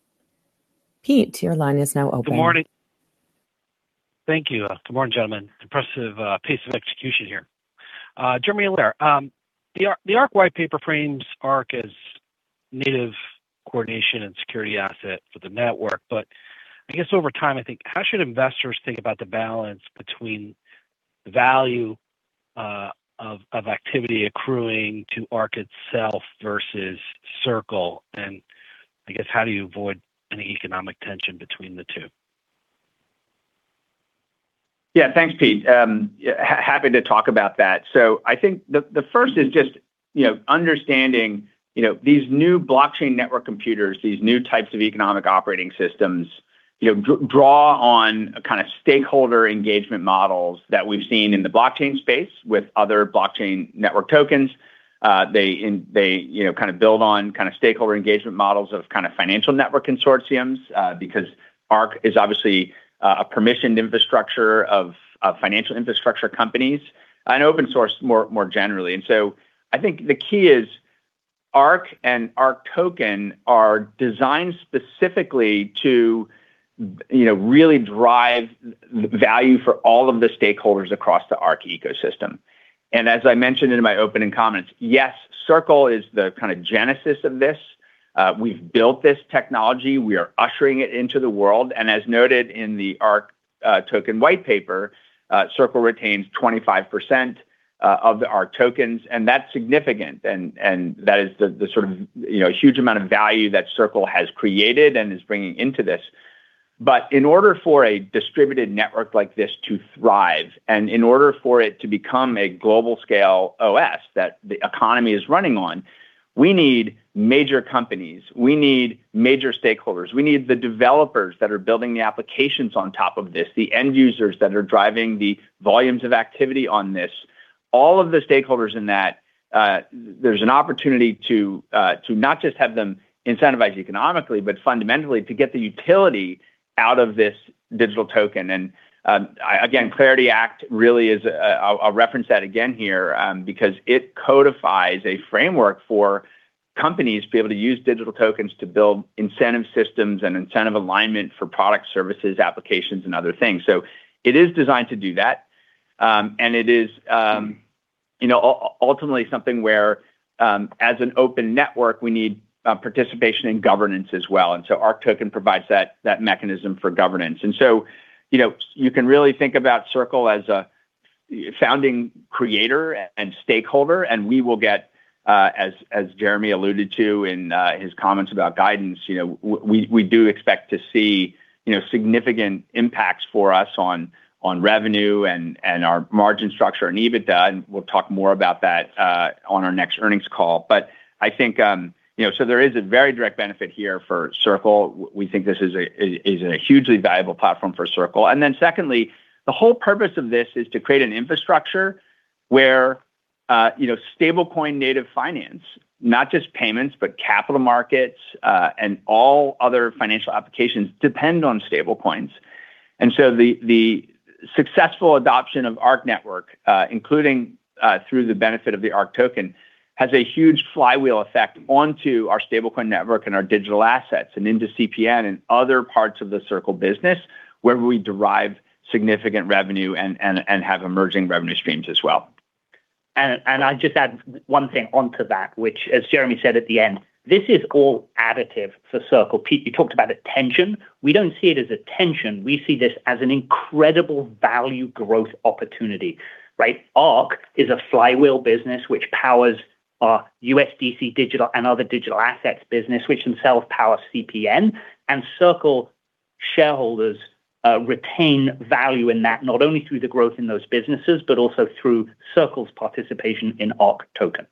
Pete, your line is now open. Good morning. Thank you. Good morning, gentlemen. Impressive pace of execution here. Jeremy, the ARC whitepaper frames ARC as native coordination and security asset for the network. I guess over time, I think, how should investors think about the balance between value of activity accruing to ARC itself versus Circle, and I guess how do you avoid any economic tension between the two? Yeah, thanks, Pete. Yeah, happy to talk about that. I think the first is just, you know, understanding, you know, these new blockchain network computers, these new types of economic operating systems, you know, draw on a kind of stakeholder engagement models that we've seen in the blockchain space with other blockchain network tokens. They, you know, kind of build on kind of stakeholder engagement models of kind of financial network consortiums, because Arc is obviously a permissioned infrastructure of financial infrastructure companies, and open source more generally. I think the key is Arc and ARC token are designed specifically to, you know, really drive value for all of the stakeholders across the Arc ecosystem. As I mentioned in my opening comments, yes, Circle is the kind of genesis of this. We've built this technology. We are ushering it into the world. As noted in the ARC token whitepaper, Circle retains 25% of the ARC tokens, and that's significant. That is the sort of, you know, huge amount of value that Circle has created and is bringing into this. In order for a distributed network like this to thrive, and in order for it to become a global scale OS that the economy is running on, we need major companies. We need major stakeholders. We need the developers that are building the applications on top of this, the end users that are driving the volumes of activity on this. All of the stakeholders in that, there's an opportunity to not just have them incentivize economically, but fundamentally to get the utility out of this digital token. Again, CLARITY Act really is, I'll reference that again here, because it codifies a framework for companies to be able to use digital tokens to build incentive systems and incentive alignment for product services, applications, and other things. It is designed to do that. And it is, you know, ultimately something where, as an open network, we need participation in governance as well. ARC token provides that mechanism for governance. You know, you can really think about Circle as a founding creator and stakeholder, and we will get, as Jeremy alluded to in his comments about guidance, you know, we do expect to see, you know, significant impacts for us on revenue and our margin structure and EBITDA, and we will talk more about that on our next earnings call. I think, you know, there is a very direct benefit here for Circle. We think this is a hugely valuable platform for Circle. Secondly, the whole purpose of this is to create an infrastructure where, you know, stablecoin native finance, not just payments, but capital markets, and all other financial applications depend on stablecoins. The successful adoption of the Arc network, including through the benefit of the ARC token, has a huge flywheel effect onto our stablecoin network and our digital assets, and into CPN and other parts of the Circle business, where we derive significant revenue and have emerging revenue streams as well. I'll just add one thing onto that, which as Jeremy said at the end, this is all additive for Circle. Pete, you talked about a tension. We don't see it as a tension. We see this as an incredible value growth opportunity, right? Arc is a flywheel business which powers our USDC digital and other digital assets business, which themselves power CPN. Circle shareholders retain value in that, not only through the growth in those businesses, but also through Circle's participation in ARC token.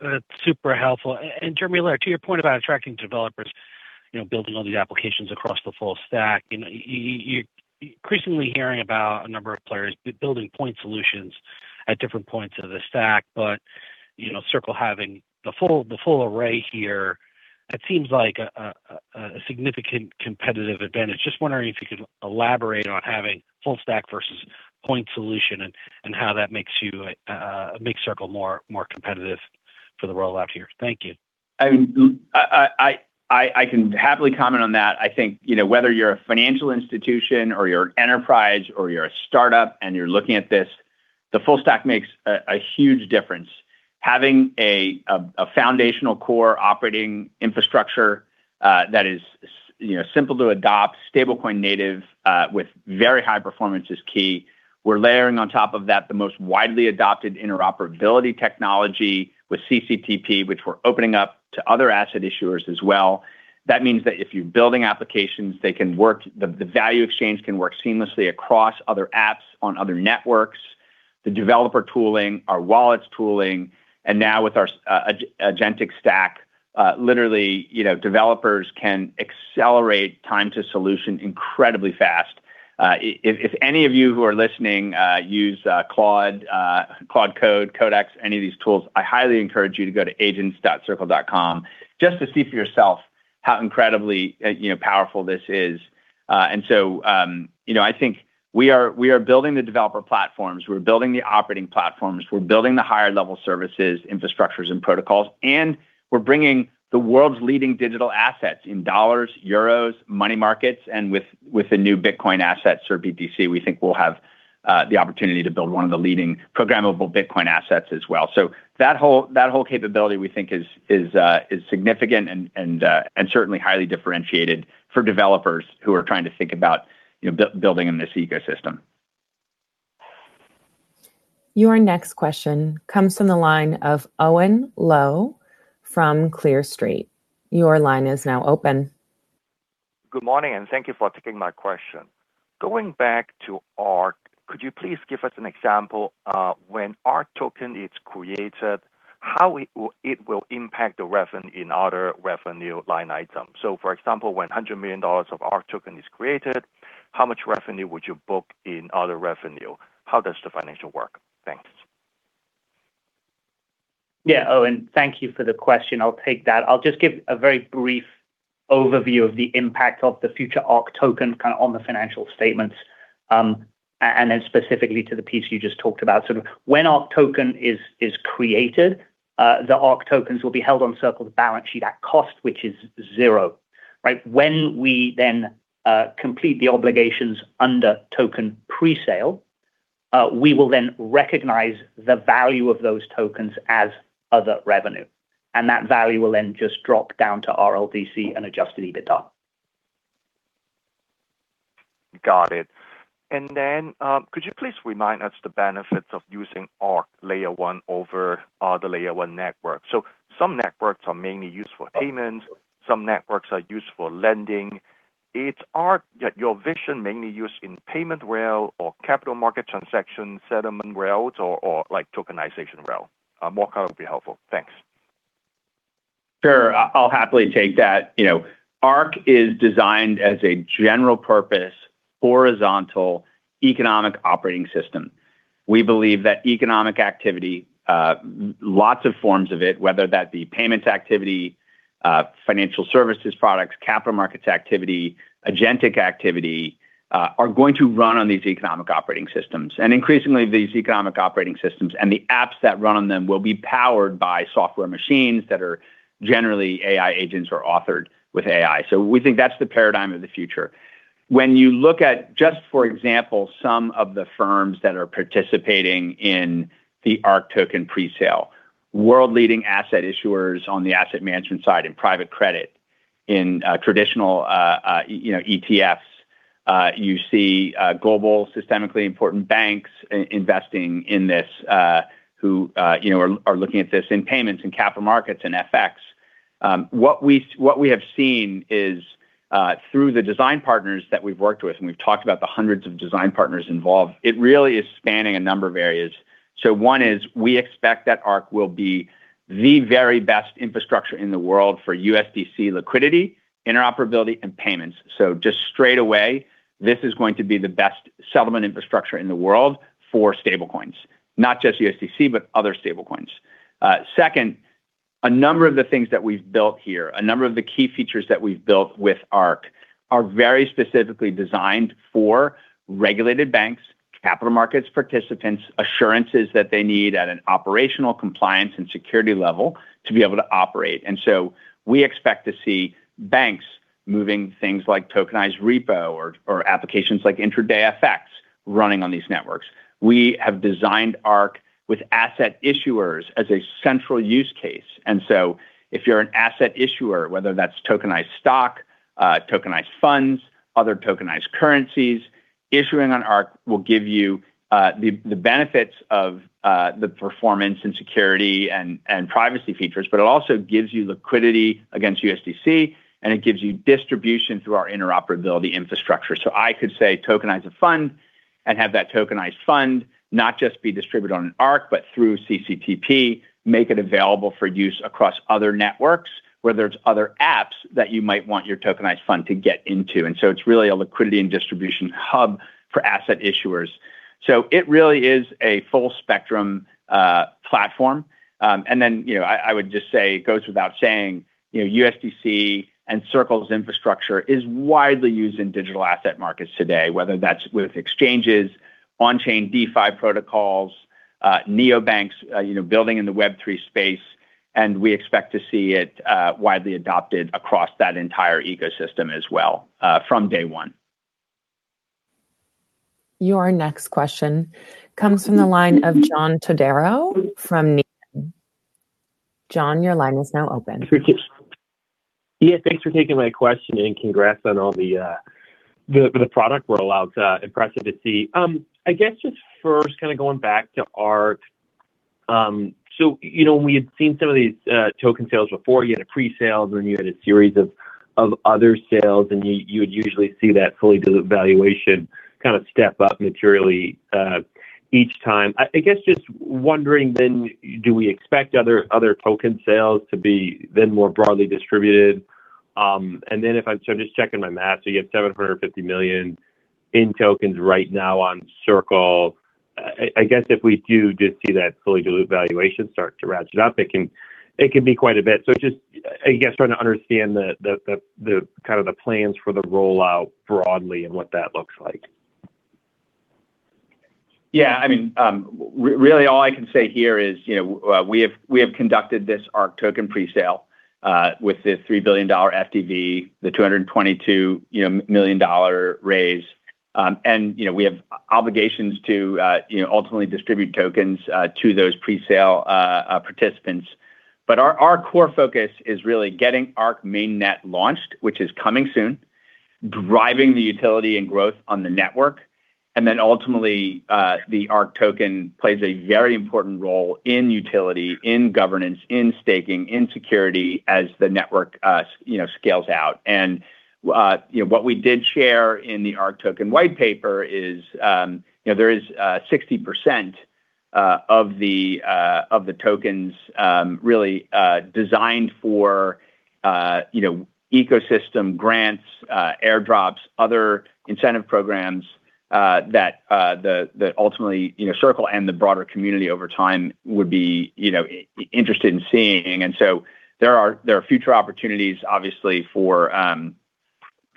That's super helpful. Jeremy Allaire, to your point about attracting developers, you know, building all these applications across the full stack, you know, you're increasingly hearing about a number of players building point solutions at different points of the stack. You know, Circle having the full array here, that seems like a significant competitive advantage. Just wondering if you could elaborate on having full stack versus point solution and how that makes you makes Circle more competitive for the world out here. Thank you. I can happily comment on that. I think, you know, whether you're a financial institution or you're enterprise or you're a startup and you're looking at this, the full stack makes a huge difference. Having a foundational core operating infrastructure, that is, you know, simple to adopt, stablecoin native, with very high performance is key. We're layering on top of that the most widely adopted interoperability technology with CCTP, which we're opening up to other asset issuers as well. That means that if you're building applications, the value exchange can work seamlessly across other apps on other networks. The developer tooling, our wallets tooling, and now with our agentic stack, literally, you know, developers can accelerate time to solution incredibly fast. If, if any of you who are listening, use Claude Code, Codex, any of these tools, I highly encourage you to go to agents.circle.com just to see for yourself how incredibly, you know, powerful this is. You know, I think we are, we are building the developer platforms, we're building the operating platforms, we're building the higher level services, infrastructures, and protocols, and we're bringing the world's leading digital assets in dollars, euros, money markets, and with the new Bitcoin assets or BTC, we think we'll have the opportunity to build one of the leading programmable Bitcoin assets as well. That whole, that whole capability we think is significant and certainly highly differentiated for developers who are trying to think about, you know, building in this ecosystem. Your next question comes from the line of Owen Lau from Clear Street. Your line is now open. Good morning, and thank you for taking my question. Going back to Arc, could you please give us an example of when ARC token is created, how it will impact the revenue in other revenue line item? For example, when $100 million of ARC token is created, how much revenue would you book in other revenue? How does the financial work? Thanks. Owen, thank you for the question. I'll take that. I'll just give a very brief overview of the impact of the future ARC token kinda on the financial statements, and then specifically to the piece you just talked about. When ARC token is created, the ARC tokens will be held on Circle's balance sheet at cost, which is zero, right? When we then complete the obligations under token pre-sale, we will then recognize the value of those tokens as other revenue, and that value will then just drop down to RLDC and adjusted EBITDA. Got it. Then, could you please remind us the benefits of using Arc Layer-1 over other Layer-1 network? Some networks are mainly used for payments, some networks are used for lending. Is Arc, your vision mainly used in payment rail or capital market transaction settlement rails or like tokenization rail? A more color would be helpful. Thanks. Sure. I'll happily take that. You know, Arc is designed as a general purpose horizontal economic operating system. We believe that economic activity, lots of forms of it, whether that be payments activity, financial services products, capital markets activity, agentic activity, are going to run on these economic operating systems. Increasingly, these economic operating systems and the apps that run on them will be powered by software machines that are generally AI agents or authored with AI. We think that's the paradigm of the future. When you look at, just for example, some of the firms that are participating in the ARC token pre-sale, world-leading asset issuers on the asset management side in private credit, in traditional, you know, ETFs, you see global systemically important banks investing in this, who, you know, are looking at this in payments and capital markets and FX. What we have seen is, through the design partners that we've worked with, and we've talked about the hundreds of design partners involved, it really is spanning a number of areas. One is we expect that Arc will be the very best infrastructure in the world for USDC liquidity, interoperability, and payments. Just straight away, this is going to be the best settlement infrastructure in the world for stable coins, not just USDC, but other stable coins. Second, a number of the things that we've built here, a number of the key features that we've built with Arc are very specifically designed for regulated banks, capital markets participants, assurances that they need at an operational compliance and security level to be able to operate. We expect to see banks moving things like tokenized repo or applications like intraday FX running on these networks. We have designed Arc with asset issuers as a central use case. If you're an asset issuer, whether that's tokenized stock, tokenized funds, other tokenized currencies, issuing on Arc will give you the benefits of the performance and security and privacy features, but it also gives you liquidity against USDC, and it gives you distribution through our interoperability infrastructure. I could say tokenize a fund and have that tokenized fund not just be distributed on an Arc, but through CCTP, make it available for use across other networks where there's other apps that you might want your tokenized fund to get into. It's really a liquidity and distribution hub for asset issuers. It really is a full spectrum platform. Then, you know, I would just say, it goes without saying, you know, USDC and Circle's infrastructure is widely used in digital asset markets today, whether that's with exchanges, on-chain DeFi protocols, neobanks, you know, building in the Web3 space, and we expect to see it widely adopted across that entire ecosystem as well, from day one. Your next question comes from the line of John Todaro from. John, your line is now open. Yeah, thanks for taking my question. Congrats on all the product rollout. Impressive to see. I guess just first kind of going back to Arc You know, we had seen some of these token sales before. You had a pre-sale, then you had a series of other sales, and you would usually see that fully diluted valuation kind of step up materially each time. I guess just wondering then, do we expect other token sales to be then more broadly distributed? If I'm just checking my math. You have $750 million in tokens right now on Circle. I guess if we do just see that fully diluted valuation start to ratchet up, it can be quite a bit. Just, I guess, trying to understand the kind of the plans for the rollout broadly and what that looks like. Yeah, I mean, really all I can say here is, you know, we have conducted this ARC token pre-sale, with the $3 billion FDV, the $222 million raise. You know, we have obligations to, you know, ultimately distribute tokens, to those pre-sale participants. Our core focus is really getting Arc mainnet launched, which is coming soon, driving the utility and growth on the network, and then ultimately, the ARC token plays a very important role in utility, in governance, in staking, in security as the network, you know, scales out. What we did share in the ARC token whitepaper is, you know, there is 60% of the tokens, really, designed for, you know, ecosystem grants, airdrops, other incentive programs that ultimately, you know, Circle and the broader community over time would be, you know, interested in seeing. There are, there are future opportunities,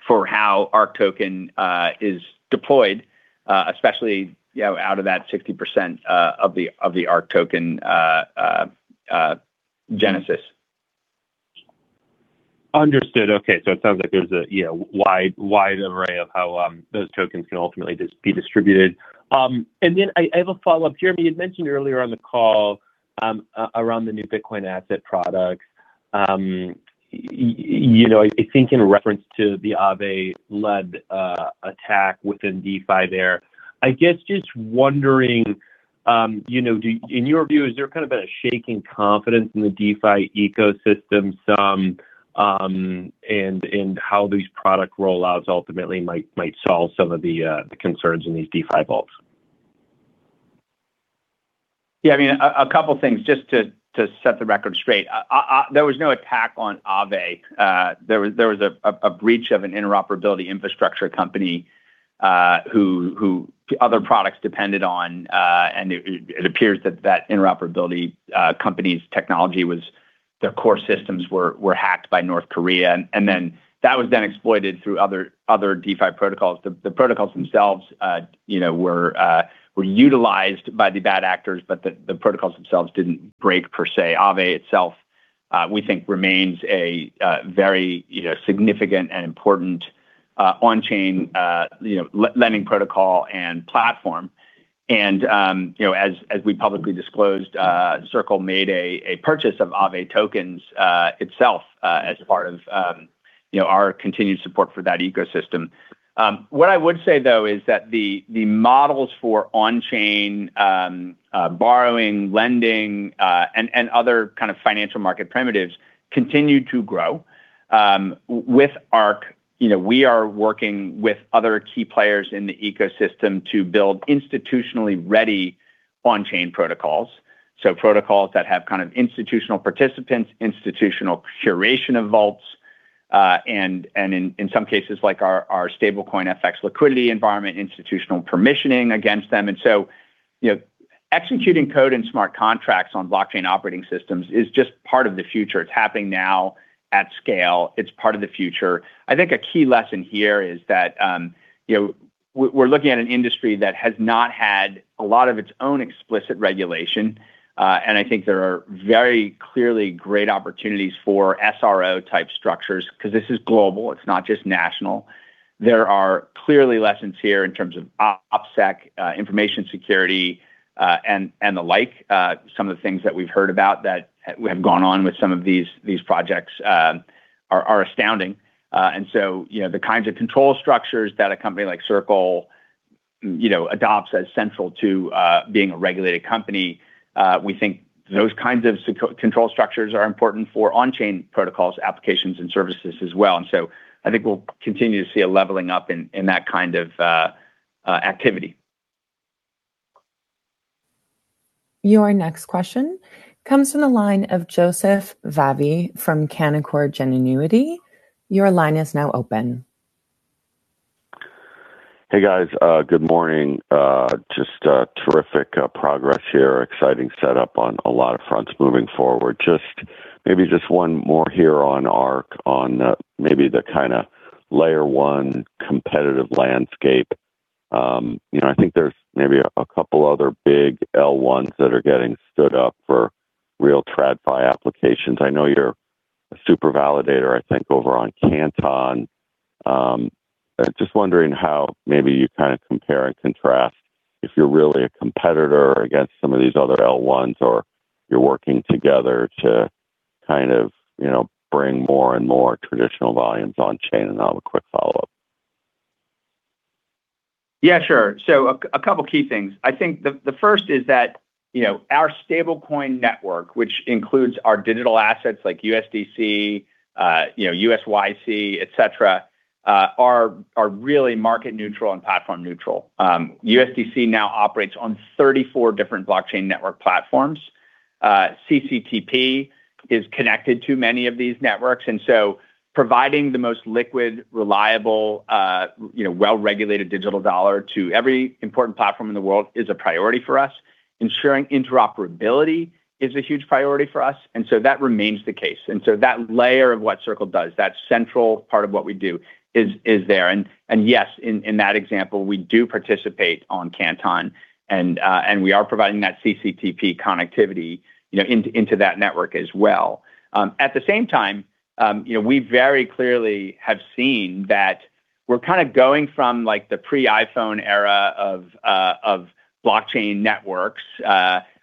obviously, for how ARC token is deployed, especially, you know, out of that 60% of the ARC token genesis. Understood. Okay. It sounds like there's a, you know, wide array of how those tokens can ultimately be distributed. I have a follow-up here. You had mentioned earlier on the call around the new Bitcoin asset product, you know, I think in reference to the Aave-led attack within DeFi there. I guess just wondering, you know, in your view, is there kind of a shaking confidence in the DeFi ecosystem some, and how these product rollouts ultimately might solve some of the concerns in these DeFi vaults? Yeah, I mean, a couple things just to set the record straight. There was no attack on Aave. There was a breach of an interoperability infrastructure company, who other products depended on, and it appears that interoperability company's technology, their core systems were hacked by North Korea. Then that was then exploited through other DeFi protocols. The protocols themselves, you know, were utilized by the bad actors, but the protocols themselves didn't break per se. Aave itself, we think remains a very, you know, significant and important on-chain, you know, lending protocol and platform. As we publicly disclosed, Circle made a purchase of Aave tokens itself as part of, you know, our continued support for that ecosystem. What I would say, though, is that the models for on-chain borrowing, lending, and other kind of financial market primitives continue to grow. With Arc, you know, we are working with other key players in the ecosystem to build institutionally ready on-chain protocols. Protocols that have kind of institutional participants, institutional curation of vaults, and in some cases like our stablecoin FX liquidity environment, institutional permissioning against them. Executing code and smart contracts on blockchain operating systems is just part of the future. It's happening now at scale. It's part of the future. I think a key lesson here is that, you know, we're looking at an industry that has not had a lot of its own explicit regulation. I think there are very clearly great opportunities for SRO-type structures because this is global. It's not just national. There are clearly lessons here in terms of OPSEC, information security, and the like. Some of the things that we've heard about that have gone on with some of these projects are astounding. You know, the kinds of control structures that a company like Circle, you know, adopts as central to being a regulated company, we think those kinds of control structures are important for on-chain protocols, applications, and services as well. I think we'll continue to see a leveling up in that kind of activity. Your next question comes from the line of Joseph Vafi from Canaccord Genuity. Your line is now open. Hey, guys. Good morning. Just terrific progress here. Exciting setup on a lot of fronts moving forward. Maybe just one more here on Arc on, maybe the kind of Layer-1 competitive landscape? You know, I think there's maybe a couple other big L1s that are getting stood up for real TradFi applications. I know you're a super validator, I think, over on Canton. I'm just wondering how maybe you kind of compare and contrast if you're really a competitor against some of these other L1s, or you're working together to kind of, you know, bring more and more traditional volumes on-chain. I have a quick follow-up. Yeah, sure. A couple key things. I think the first is that, you know, our stablecoin network, which includes our digital assets like USDC, you know, USYC, et cetera, are really market neutral and platform neutral. USDC now operates on 34 different blockchain network platforms. CCTP is connected to many of these networks, providing the most liquid, reliable, you know, well-regulated digital dollar to every important platform in the world is a priority for us. Ensuring interoperability is a huge priority for us, that remains the case. That layer of what Circle does, that central part of what we do is there. Yes, in that example, we do participate on Canton, we are providing that CCTP connectivity, you know, into that network as well. At the same time, you know, we very clearly have seen that we're kinda going from, like, the pre-iPhone era of blockchain networks,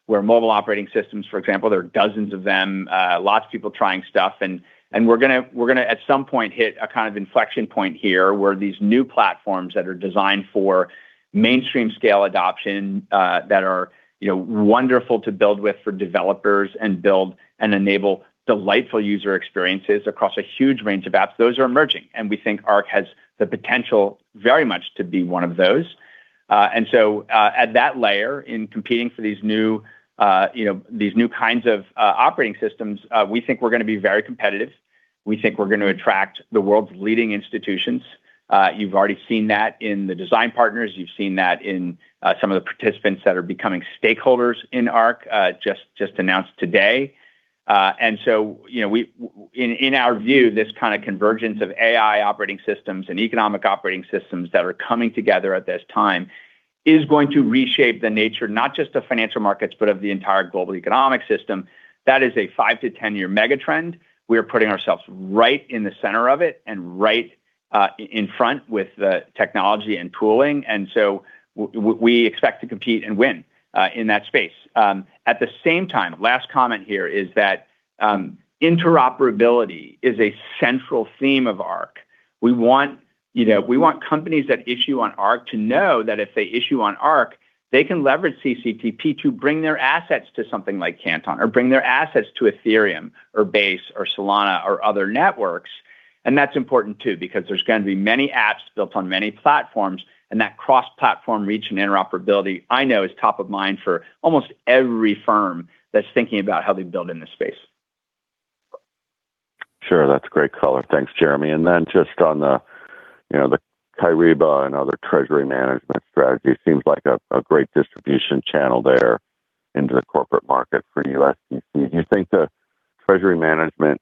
where mobile operating systems, for example, there are dozens of them, lots of people trying stuff. We're gonna at some point hit a kind of inflection point here, where these new platforms that are designed for mainstream scale adoption, that are, you know, wonderful to build with for developers and build and enable delightful user experiences across a huge range of apps. Those are emerging, and we think Arc has the potential very much to be one of those. At that layer in competing for these new, you know, these new kinds of operating systems, we think we're gonna be very competitive. We think we're gonna attract the world's leading institutions. You've already seen that in the design partners. You've seen that in some of the participants that are becoming stakeholders in Arc, just announced today. You know, in our view, this kind of convergence of AI operating systems and economic operating systems that are coming together at this time is going to reshape the nature, not just of financial markets, but of the entire global economic system. That is a five-10-year mega trend. We're putting ourselves right in the center of it and right in front with the technology and tooling, we expect to compete and win in that space. At the same time, last comment here is that interoperability is a central theme of Arc. We want, you know, we want companies that issue on Arc to know that if they issue on Arc, they can leverage CCTP to bring their assets to something like Canton or bring their assets to Ethereum or Base or Solana or other networks. That's important, too, because there's gonna be many apps built on many platforms, and that cross-platform reach and interoperability I know is top of mind for almost every firm that's thinking about how they build in this space. Sure. That's great color. Thanks, Jeremy. Just on the, you know, the Kyriba and other treasury management strategy, seems like a great distribution channel there into the corporate market for USDC. Do you think the treasury management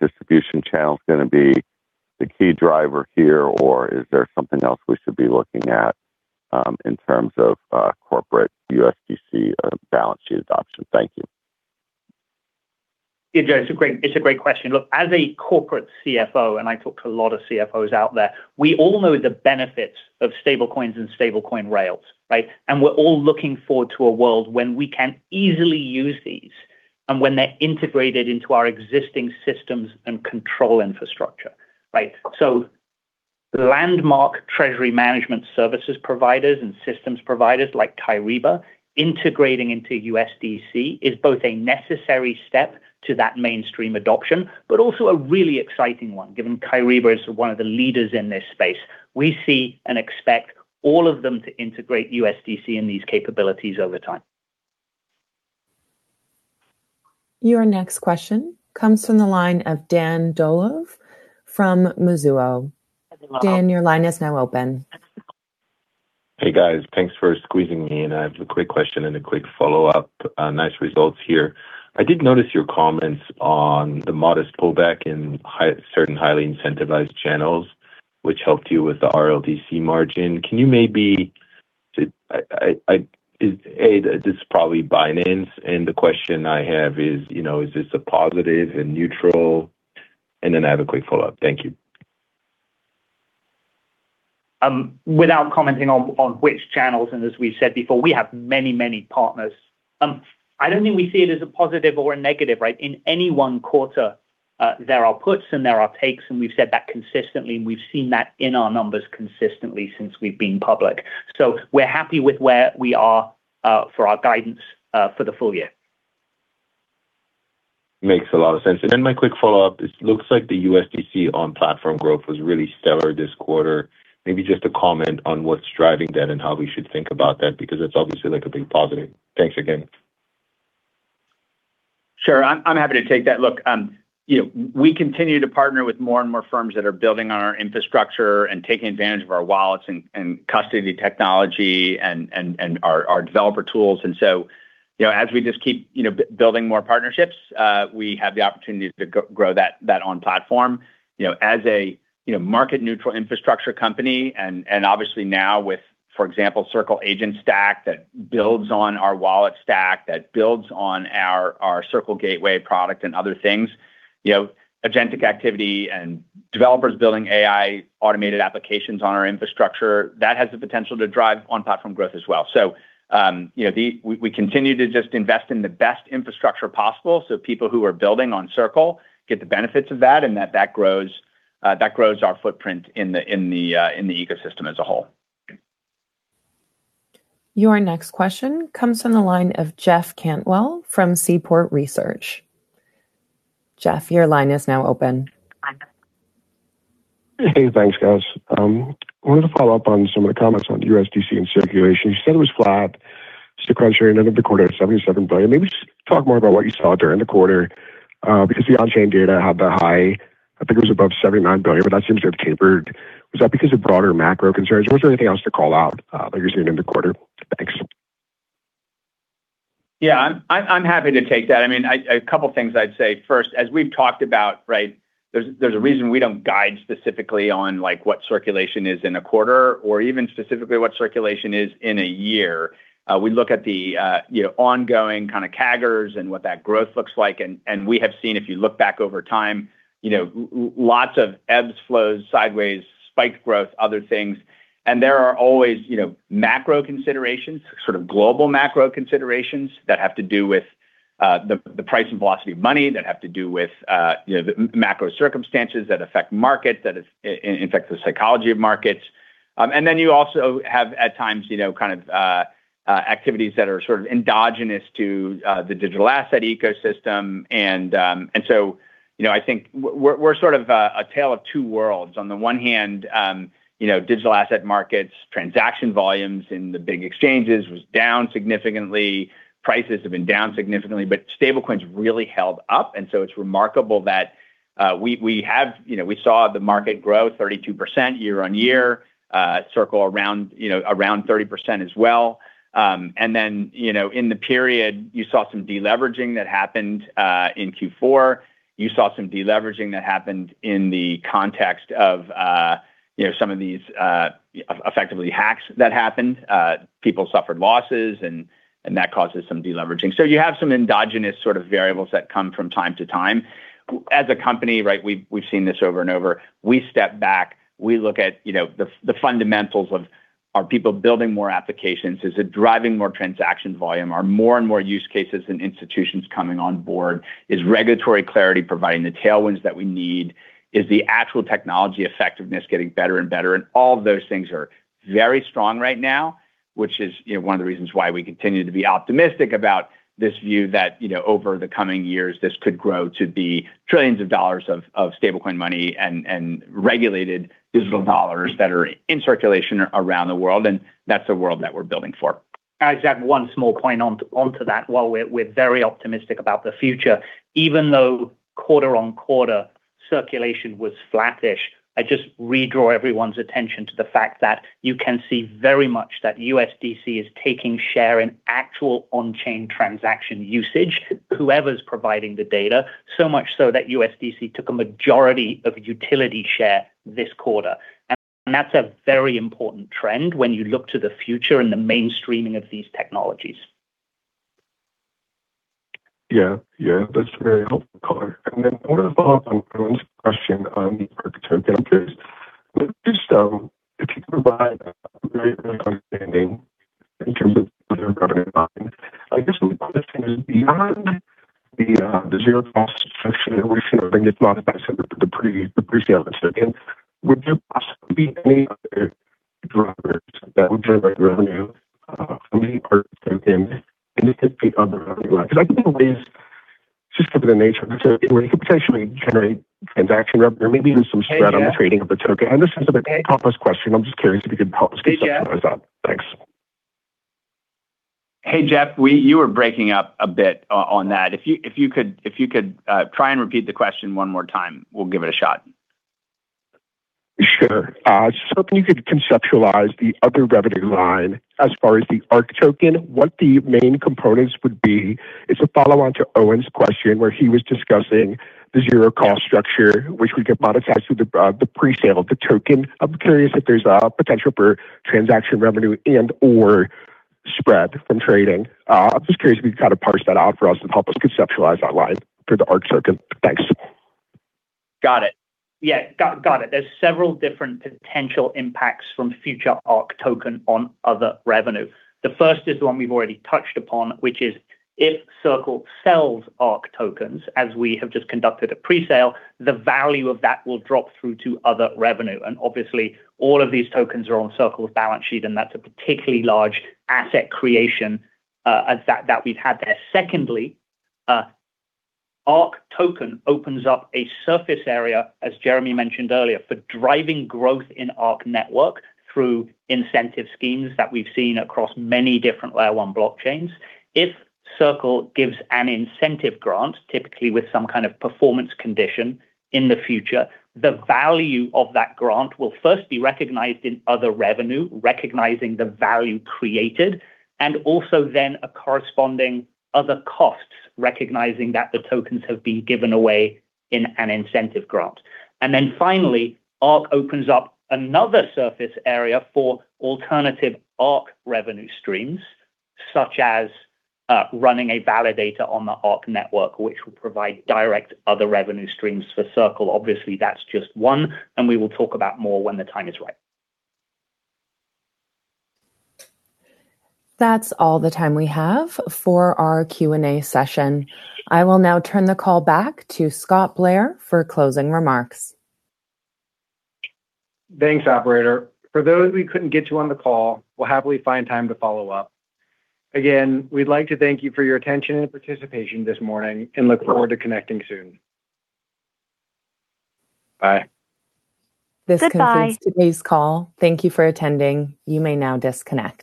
distribution channel's gonna be the key driver here, or is there something else we should be looking at in terms of corporate USDC balance sheet adoption? Thank you. Yeah, Joe, it's a great question. Look, as a corporate CFO, and I talk to a lot of CFOs out there, we all know the benefits of stablecoins and stablecoin rails, right? We're all looking forward to a world when we can easily use these and when they're integrated into our existing systems and control infrastructure, right? The landmark treasury management services providers and systems providers like Kyriba integrating into USDC is both a necessary step to that mainstream adoption, but also a really exciting one, given Kyriba is one of the leaders in this space. We see and expect all of them to integrate USDC in these capabilities over time. Your next question comes from the line of Dan Dolev from Mizuho. Dan, your line is now open. Hey, guys. Thanks for squeezing me in. I have a quick question and a quick follow-up. Nice results here. I did notice your comments on the modest pullback in certain highly incentivized channels, which helped you with the RLDC margin. Can you maybe this is probably Binance, the question I have is, you know, is this a positive and neutral? I have a quick follow-up. Thank you. Without commenting on which channels, and as we've said before, we have many partners, I don't think we see it as a positive or a negative, right? In any one quarter, there are puts and there are takes, and we've said that consistently, and we've seen that in our numbers consistently since we've been public. We're happy with where we are for our guidance for the full year. Makes a lot of sense. My quick follow-up, it looks like the USDC on-platform growth was really stellar this quarter. Maybe just a comment on what's driving that and how we should think about that, because it's obviously, like, a big positive. Thanks again. Sure. I'm happy to take that. Look, you know, we continue to partner with more and more firms that are building on our infrastructure and taking advantage of our wallets and custody technology and our developer tools. You know, as we just keep, you know, building more partnerships, we have the opportunity to grow that on platform. You know, as a, you know, market neutral infrastructure company and obviously now with, for example, Circle Agent Stack that builds on our wallet stack, that builds on our Circle Gateway product and other things, you know, agentic activity and developers building AI automated applications on our infrastructure, that has the potential to drive on-platform growth as well. you know, we continue to just invest in the best infrastructure possible, so people who are building on Circle get the benefits of that, and that grows our footprint in the ecosystem as a whole. Your next question comes from the line of Jeff Cantwell from Seaport Research. Jeff, your line is now open. Hey, thanks guys. I wanted to follow up on some of the comments on USDC in circulation. You said it was flat. The current share at the end of the quarter is $77 billion. Maybe just talk more about what you saw during the quarter, because the on-chain data had the high, I think it was above $79 billion, but that seems to have tapered. Was that because of broader macro concerns? Was there anything else to call out that you're seeing in the quarter? Thanks. Yeah, I'm happy to take that. I mean, a couple things I'd say. First, as we've talked about, right, there's a reason we don't guide specifically on, like, what circulation is in a quarter or even specifically what circulation is in a year. We look at the, you know, ongoing kind of CAGRs and what that growth looks like. We have seen, if you look back over time, you know, lots of ebbs, flows, sideways, spike growth, other things. There are always, you know, macro considerations, sort of global macro considerations that have to do with the price and velocity of money, that have to do with, you know, the macro circumstances that affect markets, that affect the psychology of markets. Then you also have at times, you know, kind of activities that are sort of endogenous to the digital asset ecosystem. So, you know, I think we're sort of a tale of two worlds. On the one hand, you know, digital asset markets, transaction volumes in the big exchanges was down significantly. Prices have been down significantly, but stablecoins really held up. So it's remarkable that we have, you know, we saw the market grow 32% year-on-year, Circle around, you know, around 30% as well. Then, you know, in the period, you saw some deleveraging that happened in Q4. You saw some deleveraging that happened in the context of, you know, some of these effectively hacks that happened. People suffered losses and that causes some deleveraging. You have some endogenous sort of variables that come from time to time. As a company, right, we've seen this over and over. We step back, we look at, you know, the fundamentals of are people building more applications? Is it driving more transaction volume? Are more and more use cases and institutions coming on board? Is regulatory clarity providing the tailwinds that we need? Is the actual technology effectiveness getting better and better? All of those things are very strong right now, which is, you know, one of the reasons why we continue to be optimistic about this view that, you know, over the coming years, this could grow to be trillions of dollars of stablecoin money and regulated digital dollars that are in circulation around the world, and that's a world that we're building for. Can I just add one small point on, onto that? While we're very optimistic about the future, even though quarter-on-quarter circulation was flattish, I just draw everyone's attention to the fact that you can see very much that USDC is taking share in actual on-chain transaction usage, whoever's providing the data, so much so that USDC took a majority of utility share this quarter. That's a very important trend when you look to the future and the mainstreaming of these technologies. Yeah. That's very helpful color. Then I wanna follow up on Owen's question on the ARC token case. Let's just, if you could provide a very, very understanding in terms of the revenue line. I guess what we wanna understand is beyond the zero cost structure, which, you know, can get modified for the presale of the token, would there possibly be any other drivers that would generate revenue from any ARC tokens and just hit the other revenue line? I think there are ways, just given the nature of this, where you could potentially generate transaction revenue or maybe even some spread on the trading of the token. I know this is a bit complex question. I'm just curious if you could help us conceptualize that. Thanks. Hey, Jeff, you were breaking up a bit on that. If you could try and repeat the question one more time, we'll give it a shot. Sure. Just hoping you could conceptualize the other revenue line as far as the ARC token, what the main components would be? It's a follow-on to Owen's question, where he was discussing the zero cost structure, which we could monetize through the pre-sale of the token. I'm curious if there's potential for transaction revenue and/or spread from trading. I'm just curious if you could kind of parse that out for us and help us conceptualize that line for the ARC token. Thanks. Got it. Yeah, got it. There's several different potential impacts from future ARC token on other revenue. The first is the one we've already touched upon, which is if Circle sells ARC tokens, as we have just conducted a pre-sale, the value of that will drop through to other revenue. Obviously, all of these tokens are on Circle's balance sheet, and that's a particularly large asset creation as that we've had there. Secondly, ARC token opens up a surface area, as Jeremy mentioned earlier, for driving growth in Arc network through incentive schemes that we've seen across many different Layer-1 blockchains. If Circle gives an incentive grant, typically with some kind of performance condition in the future, the value of that grant will first be recognized in other revenue, recognizing the value created, and also then a corresponding other costs, recognizing that the tokens have been given away in an incentive grant. Finally, Arc opens up another surface area for alternative Arc revenue streams, such as running a validator on the Arc network, which will provide direct other revenue streams for Circle. Obviously, that's just one, and we will talk about more when the time is right. That's all the time we have for our Q&A session. I will now turn the call back to Scott Blair for closing remarks. Thanks, operator. For those we couldn't get to on the call, we'll happily find time to follow up. Again, we'd like to thank you for your attention and participation this morning and look forward to connecting soon. Bye. This concludes today's call. Thank you for attending. You may now disconnect.